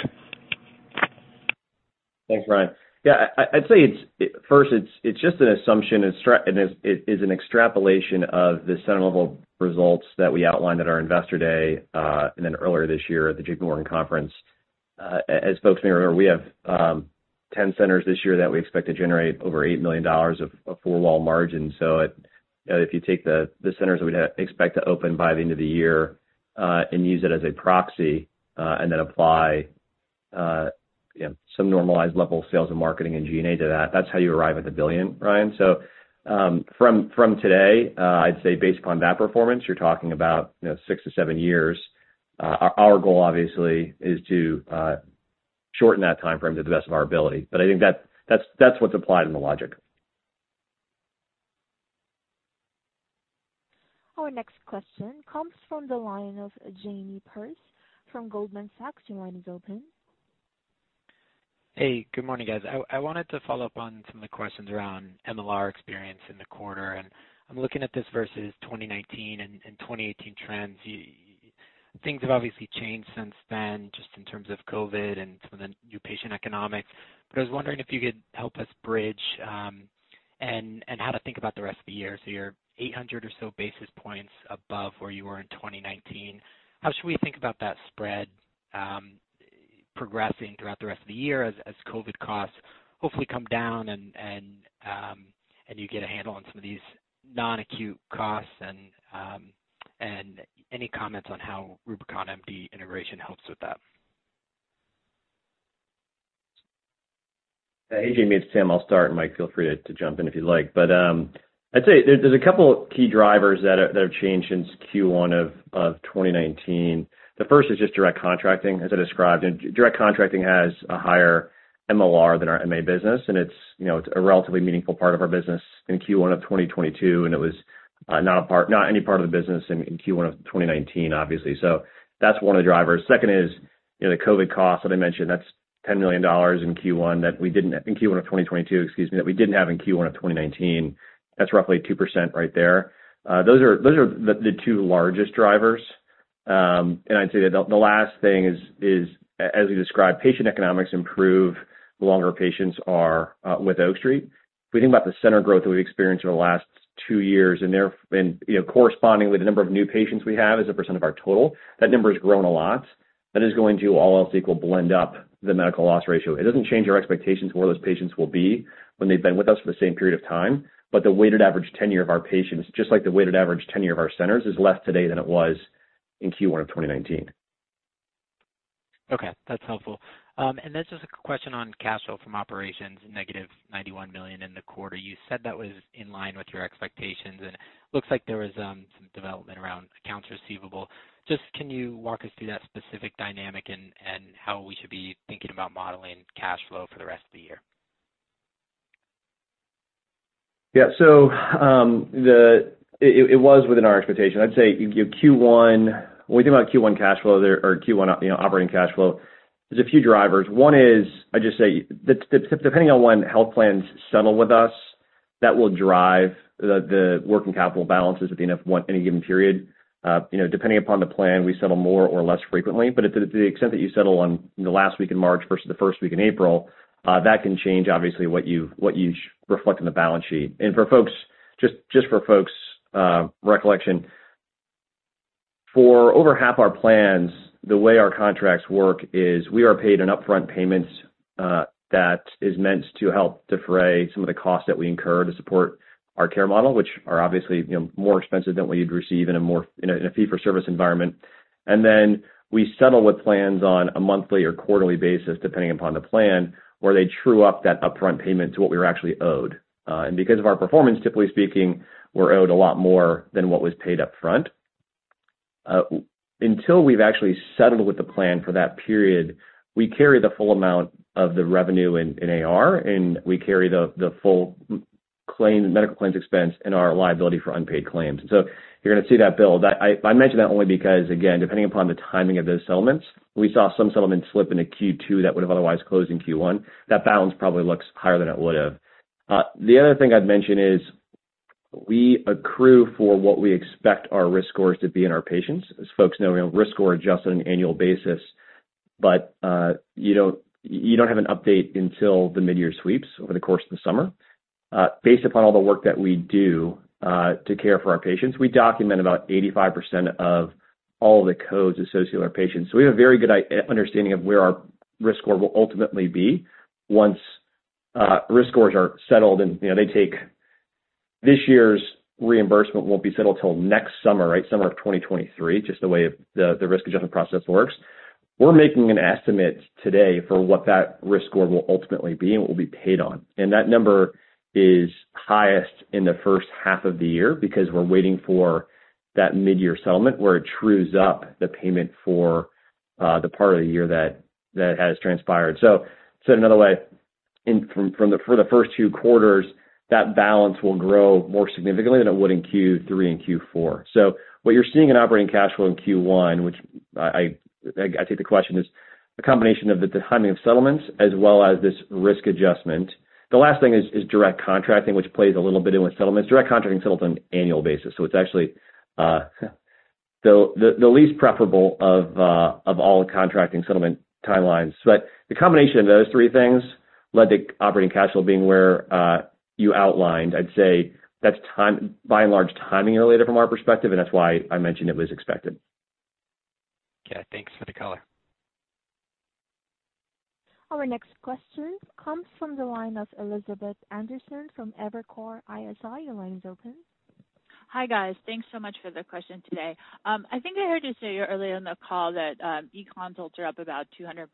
Thanks, Ryan. Yeah, I'd say it's just an assumption. It is an extrapolation of the center level results that we outlined at our Investor Day and then earlier this year at the J.P. Morgan conference. As folks may remember, we have 10 centers this year that we expect to generate over $8 million of four-wall margin. If you take the centers that we'd expect to open by the end of the year and use it as a proxy and then apply you know some normalized level of sales and marketing and G&A to that's how you arrive at the billion, Ryan. From today, I'd say based upon that performance, you're talking about you know 6-7 years. Our goal obviously is to shorten that timeframe to the best of our ability. I think that's what's applied in the logic. Our next question comes from the line of Jamie Perse from Goldman Sachs. Your line is open. Hey, good morning, guys. I wanted to follow up on some of the questions around MLR experience in the quarter, and I'm looking at this versus 2019 and 2018 trends. Yeah, things have obviously changed since then, just in terms of COVID and some of the new patient economics. I was wondering if you could help us bridge and how to think about the rest of the year. You're 800 or so basis points above where you were in 2019. How should we think about that spread progressing throughout the rest of the year as COVID costs hopefully come down and you get a handle on some of these non-acute costs? Any comments on how RubiconMD integration helps with that? Hey, Jamie, it's Timothy. I'll start, and Mike, feel free to jump in if you'd like. I'd say there's a couple key drivers that have changed since Q1 of 2019. The first is just direct contracting, as I described. Direct contracting has a higher MLR than our MA business, and it's, you know, it's a relatively meaningful part of our business in Q1 of 2022, and it was not a part, not any part of the business in Q1 of 2019 obviously. That's one of the drivers. Second is, you know, the COVID costs that I mentioned, that's $10 million in Q1 that we didn't have in Q1 of 2022, excuse me, that we didn't have in Q1 of 2019. That's roughly 2% right there. Those are the two largest drivers. I'd say that the last thing is, as we described, patient economics improve the longer patients are with Oak Street. If we think about the center growth that we've experienced over the last two years, and, you know, correspondingly, the number of new patients we have as a percent of our total, that number has grown a lot. That is going to all else equal blend up the medical loss ratio. It doesn't change our expectations of where those patients will be when they've been with us for the same period of time, but the weighted average tenure of our patients, just like the weighted average tenure of our centers, is less today than it was in Q1 of 2019. Okay, that's helpful. This is a question on cash flow from operations, -$91 million in the quarter. You said that was in line with your expectations. It looks like there was some development around accounts receivable. Can you walk us through that specific dynamic and how we should be thinking about modeling cash flow for the rest of the year? It was within our expectation. I'd say your Q1, when we think about Q1 cash flow or Q1 operating cash flow, there's a few drivers. One is I'd just say, depending on when health plans settle with us, that will drive the working capital balances at the end of Q1, any given period. Depending upon the plan, we settle more or less frequently, but to the extent that you settle on last week in March versus the first week in April, that can change obviously what you reflect on the balance sheet. For folks, just for folks' recollection, for over half our plans, the way our contracts work is we are paid an upfront payment that is meant to help defray some of the costs that we incur to support our care model, which are obviously, you know, more expensive than what you'd receive in a more fee-for-service environment. Then we settle with plans on a monthly or quarterly basis, depending upon the plan, where they true up that upfront payment to what we were actually owed. Because of our performance, typically speaking, we're owed a lot more than what was paid upfront. Until we've actually settled with the plan for that period, we carry the full amount of the revenue in AR, and we carry the full medical claims expense and our liability for unpaid claims. You're gonna see that build. I mention that only because, again, depending upon the timing of those settlements, we saw some settlements slip into Q2 that would've otherwise closed in Q1. That balance probably looks higher than it would have. The other thing I'd mention is we accrue for what we expect our risk scores to be in our patients. As folks know, you know, risk scores adjust on an annual basis, but you don't have an update until the mid-year sweeps over the course of the summer. Based upon all the work that we do to care for our patients, we document about 85% of all the codes associated with our patients. We have a very good understanding of where our risk score will ultimately be once risk scores are settled and, you know, this year's reimbursement won't be settled till next summer, right? Summer of 2023, just the way the risk adjustment process works. We're making an estimate today for what that risk score will ultimately be and what we'll be paid on. That number is highest in the first half of the year because we're waiting for that mid-year settlement where it trues up the payment for the part of the year that has transpired. Said another way, for the first two quarters, that balance will grow more significantly than it would in Q3 and Q4. What you're seeing in operating cash flow in Q1, which I think the question is a combination of the timing of settlements as well as this risk adjustment. The last thing is Direct Contracting, which plays a little bit in with settlements. Direct Contracting settles on an annual basis, so it's actually the least preferable of all the contracting settlement timelines. The combination of those three things led to operating cash flow being where you outlined. I'd say that's timing, by and large, timing related from our perspective, and that's why I mentioned it was expected. Okay. Thanks for the color. Our next question comes from the line of Elizabeth Anderson from Evercore ISI. Your line is open. Hi, guys. Thanks so much for the question today. I think I heard you say earlier in the call that eConsults are up about 200%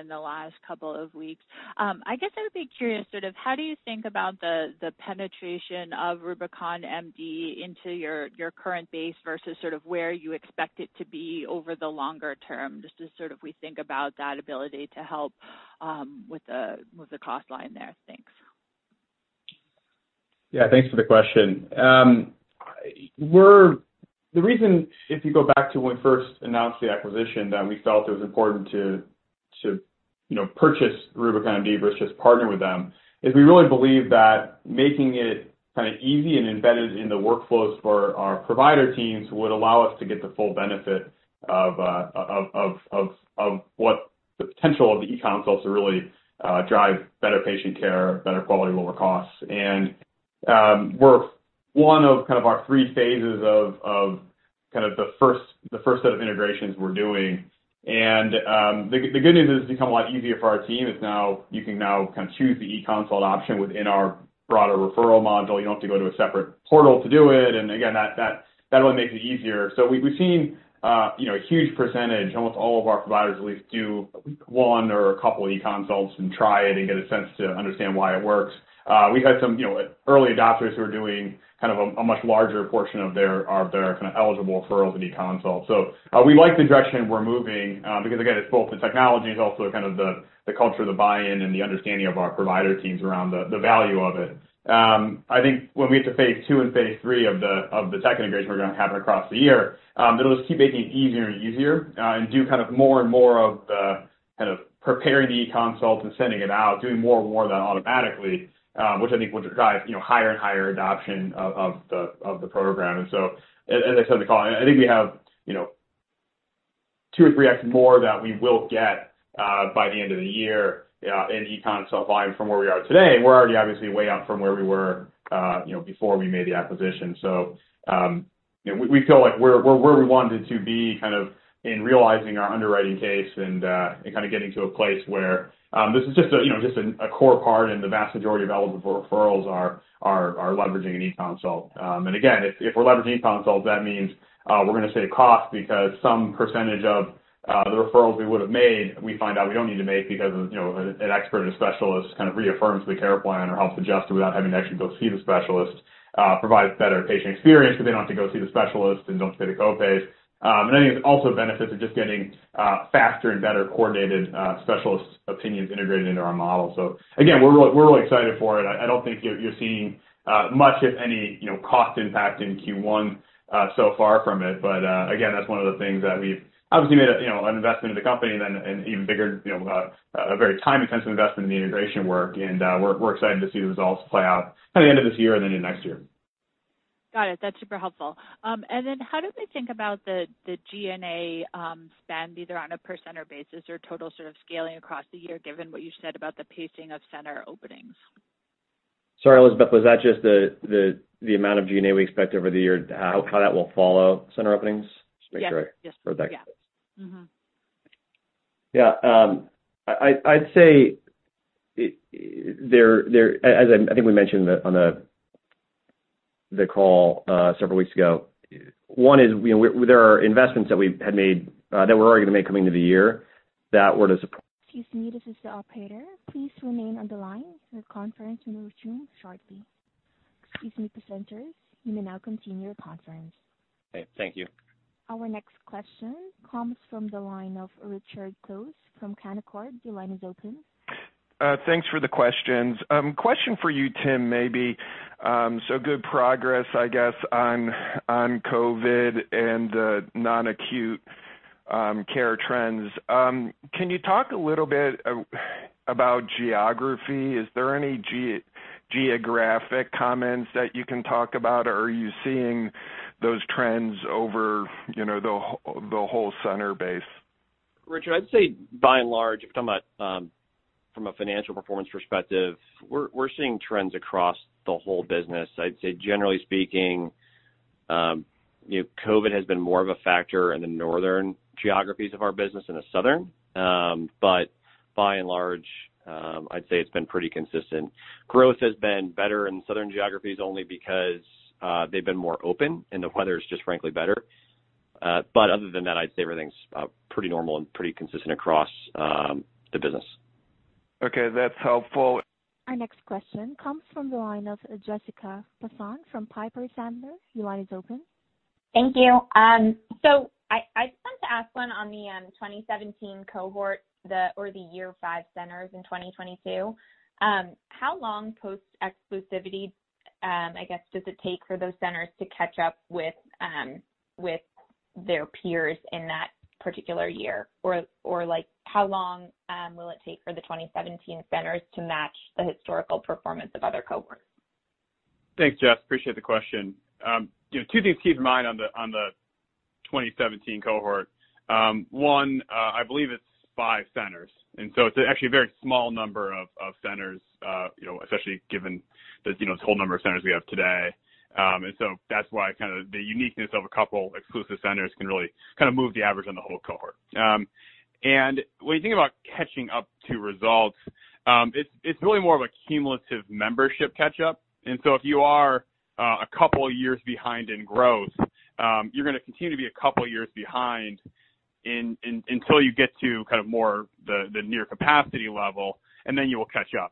in the last couple of weeks. I guess I would be curious, sort of how do you think about the penetration of RubiconMD into your current base versus sort of where you expect it to be over the longer term, just as sort of we think about that ability to help with the cost line there? Thanks. Yeah, thanks for the question. The reason, if you go back to when we first announced the acquisition, that we felt it was important to, you know, purchase RubiconMD versus partner with them, is we really believe that making it kind of easy and embedded in the workflows for our provider teams would allow us to get the full benefit of what the potential of the eConsults to really drive better patient care, better quality, lower costs. We're one of kind of our three phases of kind of the first set of integrations we're doing. The good news is it's become a lot easier for our team. Now, you can now kind of choose the eConsult option within our broader referral module. You don't have to go to a separate portal to do it, and again, that only makes it easier. We've seen, you know, a huge percentage, almost all of our providers at least do one or a couple eConsults and try it and get a sense to understand why it works. We had some, you know, early adopters who are doing kind of a much larger portion of their kind of eligible referrals in eConsult. We like the direction we're moving, because again, it's both the technology and also kind of the culture, the buy-in, and the understanding of our provider teams around the value of it. I think when we get to phase two and phase three of the tech integrations we're gonna have across the year, it'll just keep making it easier and easier, and do kind of more and more of the kind of preparing the eConsult and sending it out, doing more and more of that automatically, which I think will drive, you know, higher and higher adoption of the program. As I said in the call, I think we have, you know, 2 or 3x more that we will get by the end of the year in eConsult volume from where we are today. We're already obviously way up from where we were, you know, before we made the acquisition. You know, we feel like we're where we wanted to be kind of in realizing our underwriting case and kinda getting to a place where this is just a, you know, just a core part and the vast majority of eligible referrals are leveraging an eConsult. Again, if we're leveraging eConsults, that means we're gonna save costs because some percentage of the referrals we would've made, we find out we don't need to make because of, you know, an expert, a specialist kind of reaffirms the care plan or helps adjust it without having to actually go see the specialist, provides better patient experience so they don't have to go see the specialist and don't pay the copays. I think it also benefits of just getting faster and better coordinated specialist opinions integrated into our model. Again, we're really excited for it. I don't think you're seeing much, if any, you know, cost impact in Q1 so far from it. Again, that's one of the things that we've obviously made a you know, an investment in the company and then an even bigger you know, a very time-intensive investment in the integration work. We're excited to see the results play out by the end of this year and then into next year. Got it. That's super helpful. How do we think about the G&A spend, either on a per center basis or total sort of scaling across the year, given what you said about the pacing of center openings? Sorry, Elizabeth, was that just the amount of G&A we expect over the year, how that will follow center openings? Yes. Yes. Heard that. Yeah. Mm-hmm. Yeah. I'd say there as I think we mentioned on the call several weeks ago, one is, you know, there are investments that we had made that we're already gonna make coming into the year that were to sup- Excuse me. This is the operator. Please remain on the line. Your conference will resume shortly. Excuse me, presenters. You may now continue your conference. Okay. Thank you. Our next question comes from the line of Richard Close from Canaccord Genuity. Your line is open. Thanks for the questions. Question for you, Timothy, maybe. Good progress, I guess, on COVID and non-acute care trends. Can you talk a little bit about geography? Is there any geographic comments that you can talk about? Are you seeing those trends over, you know, the whole center base? Richard, I'd say by and large, from a financial performance perspective, we're seeing trends across the whole business. I'd say generally speaking, you know, COVID has been more of a factor in the northern geographies of our business than the southern. By and large, I'd say it's been pretty consistent. Growth has been better in southern geographies only because they've been more open, and the weather is just frankly better. Other than that, I'd say everything's pretty normal and pretty consistent across the business. Okay. That's helpful. Our next question comes from the line of Jessica Tassan from Piper Sandler. Your line is open. Thank you. So I just want to ask one on the 2017 cohort or the year 5 centers in 2022. How long post-exclusivity, I guess, does it take for those centers to catch up with their peers in that particular year? Or like how long will it take for the 2017 centers to match the historical performance of other cohorts? Thanks, Jess. Appreciate the question. You know, two things to keep in mind on the 2017 cohort. One, I believe it's 5 centers, and so it's actually a very small number of centers, you know, especially given the, you know, total number of centers we have today. That's why kind of the uniqueness of a couple exclusive centers can really kind of move the average on the whole cohort. When you think about catching up to results, it's really more of a cumulative membership catch-up. If you are a couple of years behind in growth, you're gonna continue to be a couple of years behind in until you get to kind of more the near capacity level, and then you will catch up.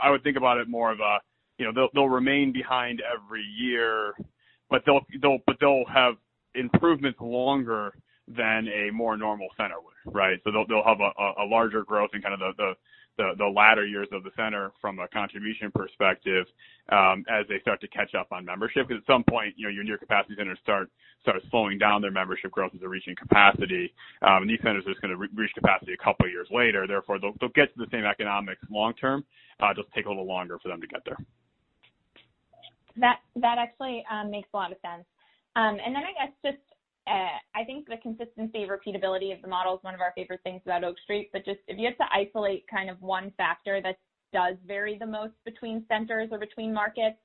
I would think about it more of a, you know, they'll remain behind every year, but they'll have improvements longer than a more normal center would, right? They'll have a larger growth in kind of the latter years of the center from a contribution perspective, as they start to catch up on membership. 'Cause at some point, you know, your near capacity centers start slowing down their membership growth as they're reaching capacity. These centers are just gonna reach capacity a couple of years later. Therefore, they'll get to the same economics long term, it'll just take a little longer for them to get there. That actually makes a lot of sense. I guess just I think the consistency and repeatability of the model is one of our favorite things about Oak Street, but just if you had to isolate kind of one factor that does vary the most between centers or between markets,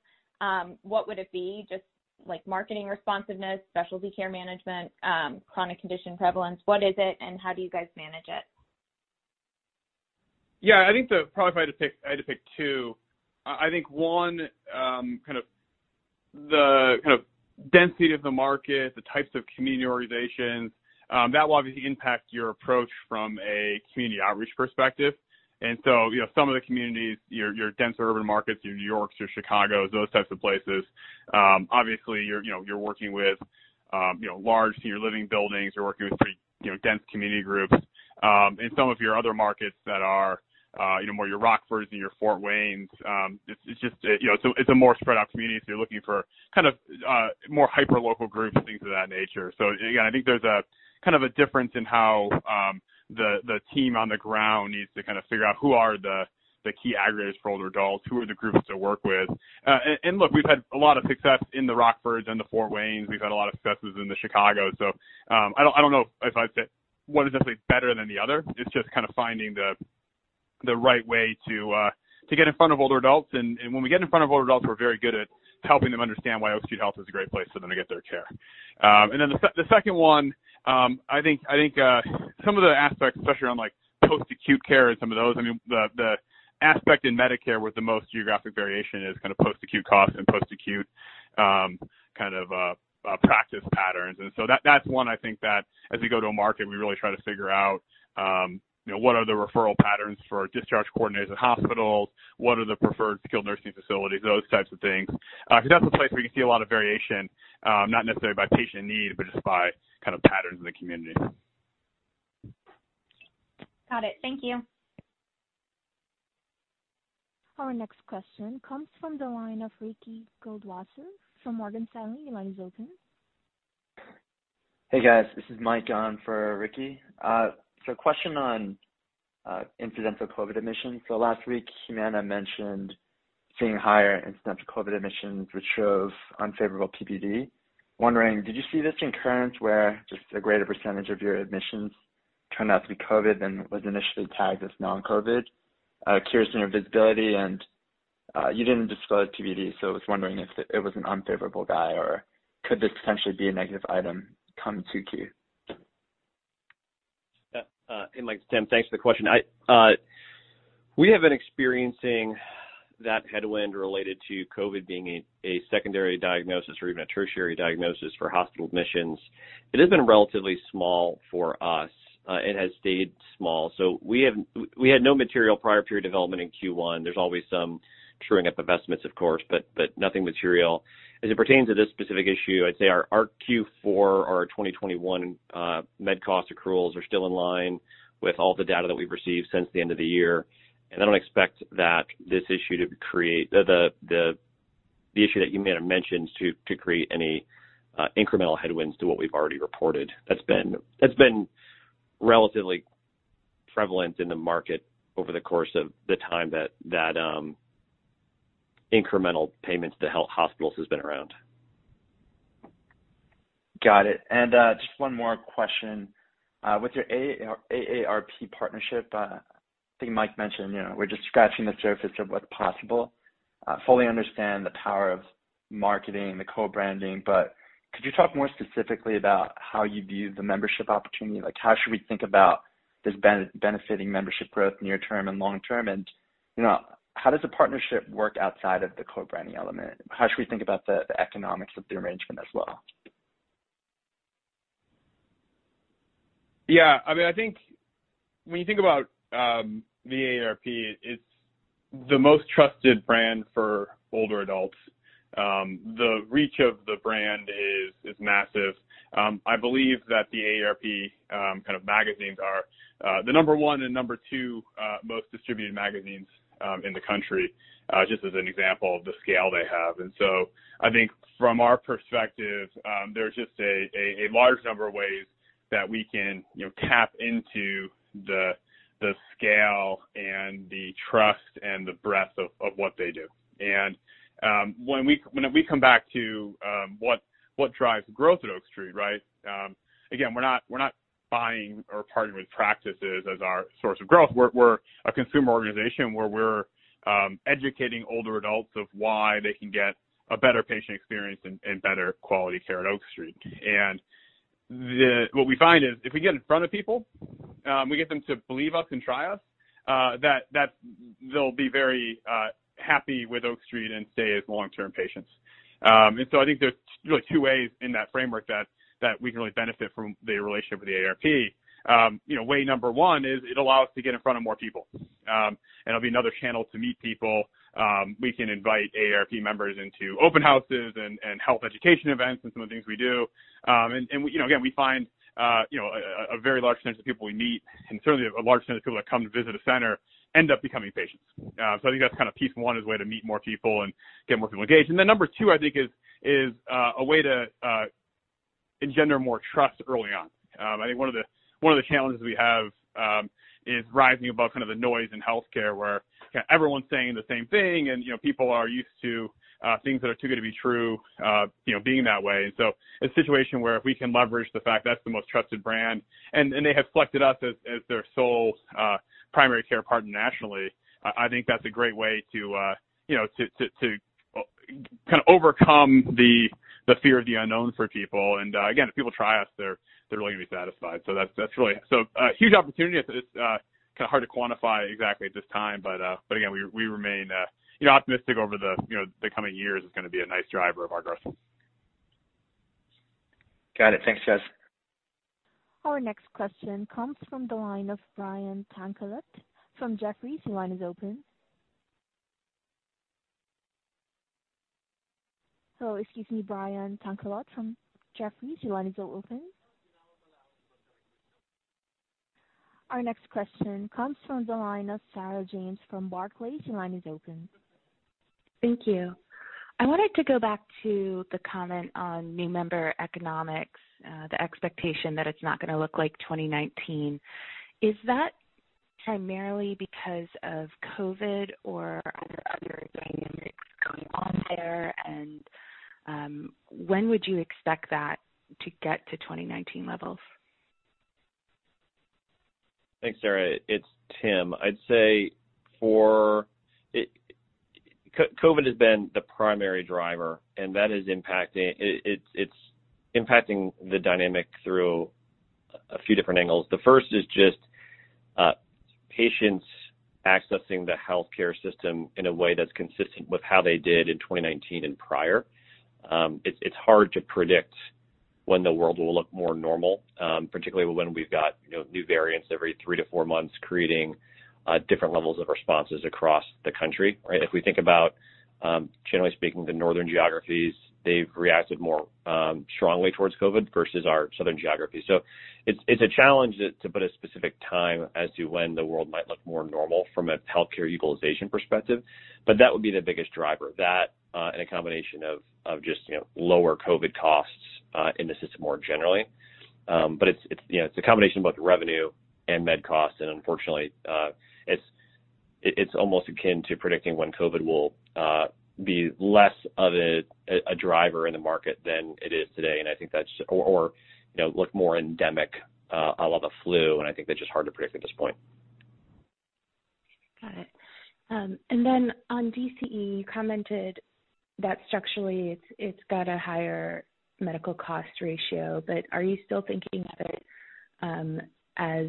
what would it be? Just like marketing responsiveness, specialty care management, chronic condition prevalence. What is it, and how do you guys manage it? Yeah. I think probably if I had to pick two, I think one kind of density of the market, the types of community organizations that will obviously impact your approach from a community outreach perspective. You know, some of the communities, your denser urban markets, your New Yorks, your Chicagos, those types of places, obviously you're working with large senior living buildings. You're working with pretty dense community groups. In some of your other markets that are, you know, more your Rockfords and your Fort Waynes. It's just, you know, it's a more spread out community, so you're looking for kind of more hyper local groups, things of that nature. Again, I think there's a kind of a difference in how the team on the ground needs to kind of figure out who are the key aggregators for older adults, who are the groups to work with. Look, we've had a lot of success in the Rockfords and the Fort Waynes. We've had a lot of successes in Chicago. I don't know if I'd say one is definitely better than the other. It's just kind of finding the right way to get in front of older adults. When we get in front of older adults, we're very good at helping them understand why Oak Street Health is a great place for them to get their care. The second one, I think some of the aspects, especially around like post-acute care and some of those. I mean, the aspect in Medicare where the most geographic variation is kind of post-acute costs and post-acute practice patterns. That's one I think that as we go to a market, we really try to figure out, you know, what are the referral patterns for discharge coordinators at hospitals? What are the preferred skilled nursing facilities? Those types of things. 'Cause that's a place where you see a lot of variation, not necessarily by patient need, but just by kind of patterns in the community. Got it. Thank you. Our next question comes from the line of Ricky Goldwasser from Morgan Stanley. Your line is open. Hey, guys. This is Michael on for Ricky. Question on incidental COVID admissions. Last week, Humana mentioned seeing higher incidental COVID admissions, which shows unfavorable PBD. Wondering, did you see this occurrence where just a greater percentage of your admissions turned out to be COVID than was initially tagged as non-COVID? Curious on your visibility and you didn't disclose PBD, so I was wondering if it was an unfavorable guide or could this potentially be a negative item come 2Q? Yeah. Michael, Timothy, thanks for the question. We have been experiencing that headwind related to COVID being a secondary diagnosis or even a tertiary diagnosis for hospital admissions. It has been relatively small for us. It has stayed small. We had no material prior period development in Q1. There's always some truing up estimates, of course, but nothing material. As it pertains to this specific issue, I'd say our Q4, our 2021, med cost accruals are still in line with all the data that we've received since the end of the year. I don't expect that this issue, the issue that you may have mentioned, to create any incremental headwinds to what we've already reported. That's been relatively prevalent in the market over the course of the time that incremental payments to health hospitals has been around. Got it. Just one more question. With your AARP partnership, I think Mike mentioned, you know, we're just scratching the surface of what's possible. Fully understand the power of marketing, the co-branding, but could you talk more specifically about how you view the membership opportunity? Like, how should we think about this benefiting membership growth near term and long term? You know, how does the partnership work outside of the co-branding element? How should we think about the economics of the arrangement as well? Yeah, I mean, I think when you think about the AARP, it's the most trusted brand for older adults. The reach of the brand is massive. I believe that the AARP kind of magazines are the number one and number two most distributed magazines in the country just as an example of the scale they have. I think from our perspective, there's just a large number of ways that we can you know tap into the scale and the trust and the breadth of what they do. When we come back to what drives growth at Oak Street, right? Again, we're not buying or partnering with practices as our source of growth. We're a consumer organization where we're educating older adults of why they can get a better patient experience and better quality care at Oak Street. What we find is if we get in front of people, we get them to believe us and try us, that they'll be very happy with Oak Street and stay as long-term patients. I think there's really two ways in that framework that we can really benefit from the relationship with the AARP. You know, way number one is it allows us to get in front of more people. It'll be another channel to meet people. We can invite AARP members into open houses and health education events and some of the things we do. We, you know, again, we find a very large percentage of people we meet, and certainly a large percentage of people that come to visit a center end up becoming patients. I think that's kind of piece one is a way to meet more people and get more people engaged. Number two, I think is a way to engender more trust early on. I think one of the challenges we have is rising above kind of the noise in healthcare where everyone's saying the same thing and, you know, people are used to things that are too good to be true, you know, being that way. A situation where if we can leverage the fact that's the most trusted brand and they have selected us as their sole primary care partner nationally, I think that's a great way to you know to kind of overcome the fear of the unknown for people. Again, if people try us, they're really gonna be satisfied. That's really a huge opportunity. It's kind of hard to quantify exactly at this time, but again, we remain you know optimistic over you know the coming years is gonna be a nice driver of our growth. Got it. Thanks, guys. Our next question comes from the line of Brian Tanquilut from Jefferies. Your line is open. Oh, excuse me, Brian. Thank you. I wanted to go back to the comment on new member economics, the expectation that it's not gonna look like 2019. Is that primarily because of COVID or are there other dynamics going on there? When would you expect that to get to 2019 levels? Thanks, Sarah. It's Tim. I'd say COVID has been the primary driver, and it's impacting the dynamic through a few different angles. The first is just patients accessing the healthcare system in a way that's consistent with how they did in 2019 and prior. It's hard to predict when the world will look more normal, particularly when we've got, you know, new variants every 3-4 months, creating different levels of responses across the country, right? If we think about, generally speaking, the northern geographies, they've reacted more strongly towards COVID versus our southern geographies. It's a challenge to put a specific time as to when the world might look more normal from a healthcare utilization perspective, but that would be the biggest driver. That and a combination of just, you know, lower COVID costs in the system more generally. It's a combination of both revenue and med costs, and unfortunately, it's almost akin to predicting when COVID will be less of a driver in the market than it is today. I think that's or you know look more endemic a la the flu, and I think that's just hard to predict at this point. Got it. On DCE, you commented that structurally it's got a higher medical cost ratio, but are you still thinking of it as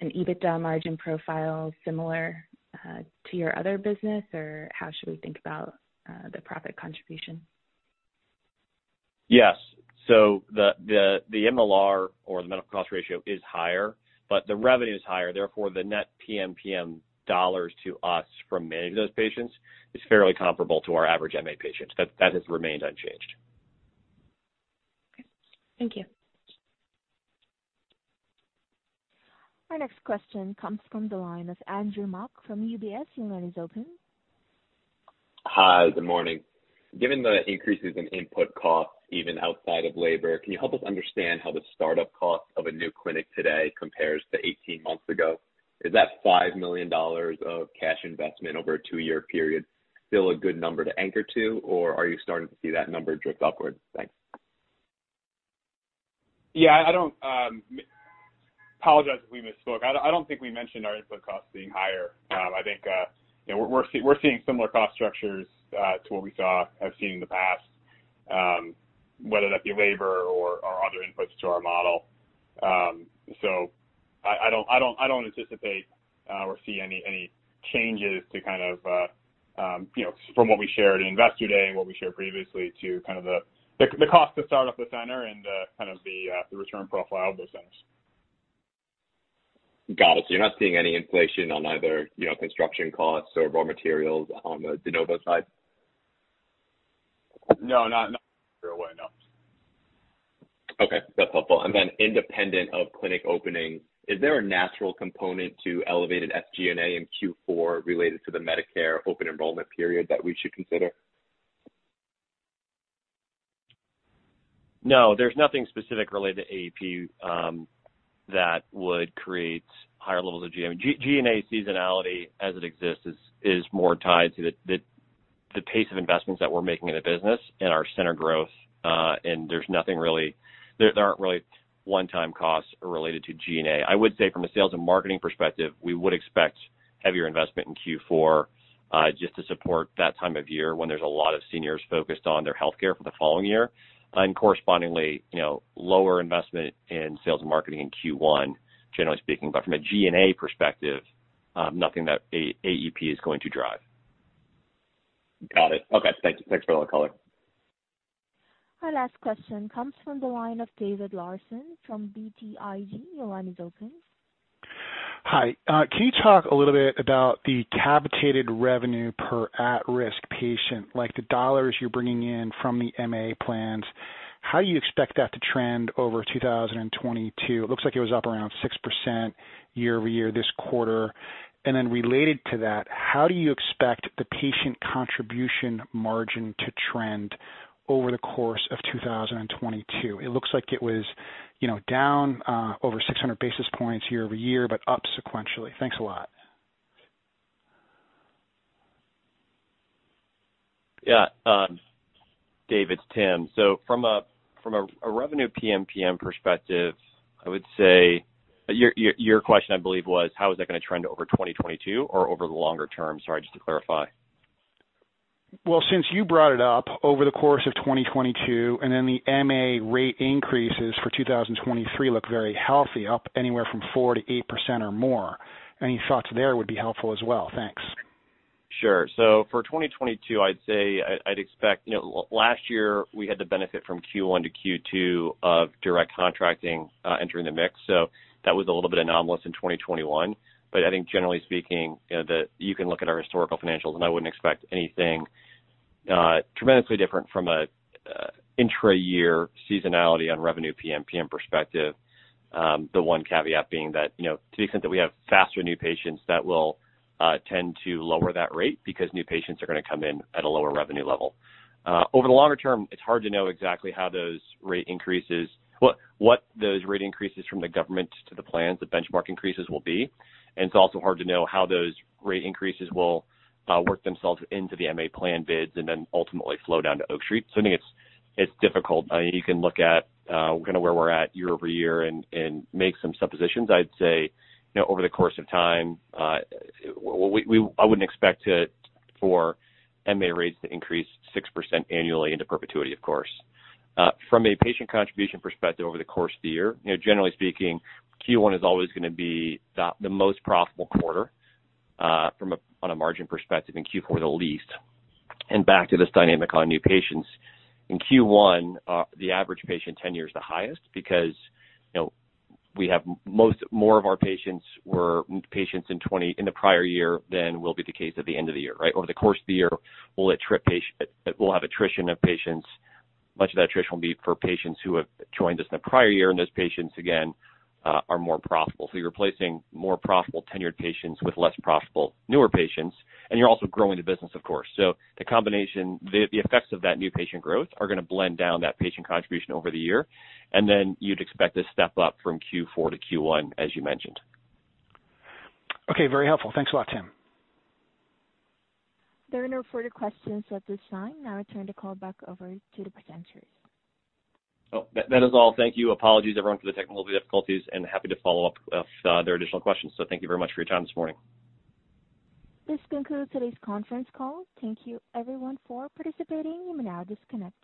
an EBITDA margin profile similar to your other business, or how should we think about the profit contribution? Yes. The MLR or the medical cost ratio is higher, but the revenue is higher, therefore, the net PMPM dollars to us from managing those patients is fairly comparable to our average MA patients. That has remained unchanged. Okay. Thank you. Our next question comes from the line of Andrew Mok from UBS. Your line is open. Hi, good morning. Given the increases in input costs, even outside of labor, can you help us understand how the start-up cost of a new clinic today compares to 18 months ago? Is that $5 million of cash investment over a 2-year period still a good number to anchor to, or are you starting to see that number drift upwards? Thanks. Apologize if we misspoke. I don't think we mentioned our input costs being higher. I think you know, we're seeing similar cost structures to what we have seen in the past, whether that be labor or other inputs to our model. I don't anticipate or see any changes to kind of you know, from what we shared in Investor Day and what we shared previously to kind of the cost to start up the center and kind of the return profile of those centers. Got it. You're not seeing any inflation on either, you know, construction costs or raw materials on the de novo side? No, not no. Okay, that's helpful. Independent of clinic openings, is there a natural component to elevated SG&A in Q4 related to the Medicare open enrollment period that we should consider? No, there's nothing specific related to AEP that would create higher levels of G&A seasonality as it exists is more tied to the pace of investments that we're making in the business and our center growth. There's nothing really. There aren't really one-time costs related to G&A. I would say from a sales and marketing perspective, we would expect heavier investment in Q4 just to support that time of year when there's a lot of seniors focused on their healthcare for the following year, and correspondingly, you know, lower investment in sales and marketing in Q1, generally speaking. From a G&A perspective, nothing that AEP is going to drive. Got it. Okay. Thank you. Thanks for all the color. Our last question comes from the line of David Larsen from BTIG. Your line is open. Hi. Can you talk a little bit about the capitated revenue per at-risk patient, like the dollars you're bringing in from the MA plans, how do you expect that to trend over 2022? It looks like it was up around 6% year-over-year this quarter. Related to that, how do you expect the patient contribution margin to trend over the course of 2022? It looks like it was down over 600 basis points year-over-year, but up sequentially. Thanks a lot. Yeah. David, Timothy. From a revenue PM-PM perspective, I would say. Your question, I believe, was how is that gonna trend over 2022 or over the longer term? Sorry, just to clarify. Well, since you brought it up, over the course of 2022, and then the MA rate increases for 2023 look very healthy, up anywhere from 4%-8% or more. Any thoughts there would be helpful as well. Thanks. Sure. For 2022, I'd say I'd expect, you know, last year, we had the benefit from Q1 to Q2 of Direct Contracting entering the mix. That was a little bit anomalous in 2021. I think generally speaking, you know, you can look at our historical financials, and I wouldn't expect anything tremendously different from intra-year seasonality on revenue PMPM perspective. The one caveat being that, you know, to the extent that we have faster new patients that will tend to lower that rate because new patients are gonna come in at a lower revenue level. Over the longer term, it's hard to know exactly how those rate increases what those rate increases from the government to the plans, the benchmark increases will be. It's also hard to know how those rate increases will work themselves into the MA plan bids and then ultimately flow down to Oak Street. So I think it's difficult. I mean, you can look at kinda where we're at year-over-year and make some suppositions. I'd say, you know, over the course of time, I wouldn't expect for MA rates to increase 6% annually into perpetuity, of course. From a patient contribution perspective over the course of the year, you know, generally speaking, Q1 is always gonna be the most profitable quarter, from a margin perspective, and Q4 the least. Back to this dynamic on new patients. In Q1, the average patient tenure is the highest because, you know, we have more of our patients were patients in 2020, in the prior year than will be the case at the end of the year, right? Over the course of the year, we'll have attrition of patients. Much of that attrition will be for patients who have joined us in the prior year, and those patients, again, are more profitable. So you're replacing more profitable tenured patients with less profitable newer patients, and you're also growing the business of course. So the combination, the effects of that new patient growth are gonna blend down that patient contribution over the year. Then you'd expect a step up from Q4 to Q1, as you mentioned. Okay. Very helpful. Thanks a lot, Tim. There are no further questions at this time. Now I turn the call back over to the presenters. That is all. Thank you. Apologies, everyone, for the technical difficulties and happy to follow up if there are additional questions. Thank you very much for your time this morning. This concludes today's conference call. Thank you everyone for participating. You may now disconnect.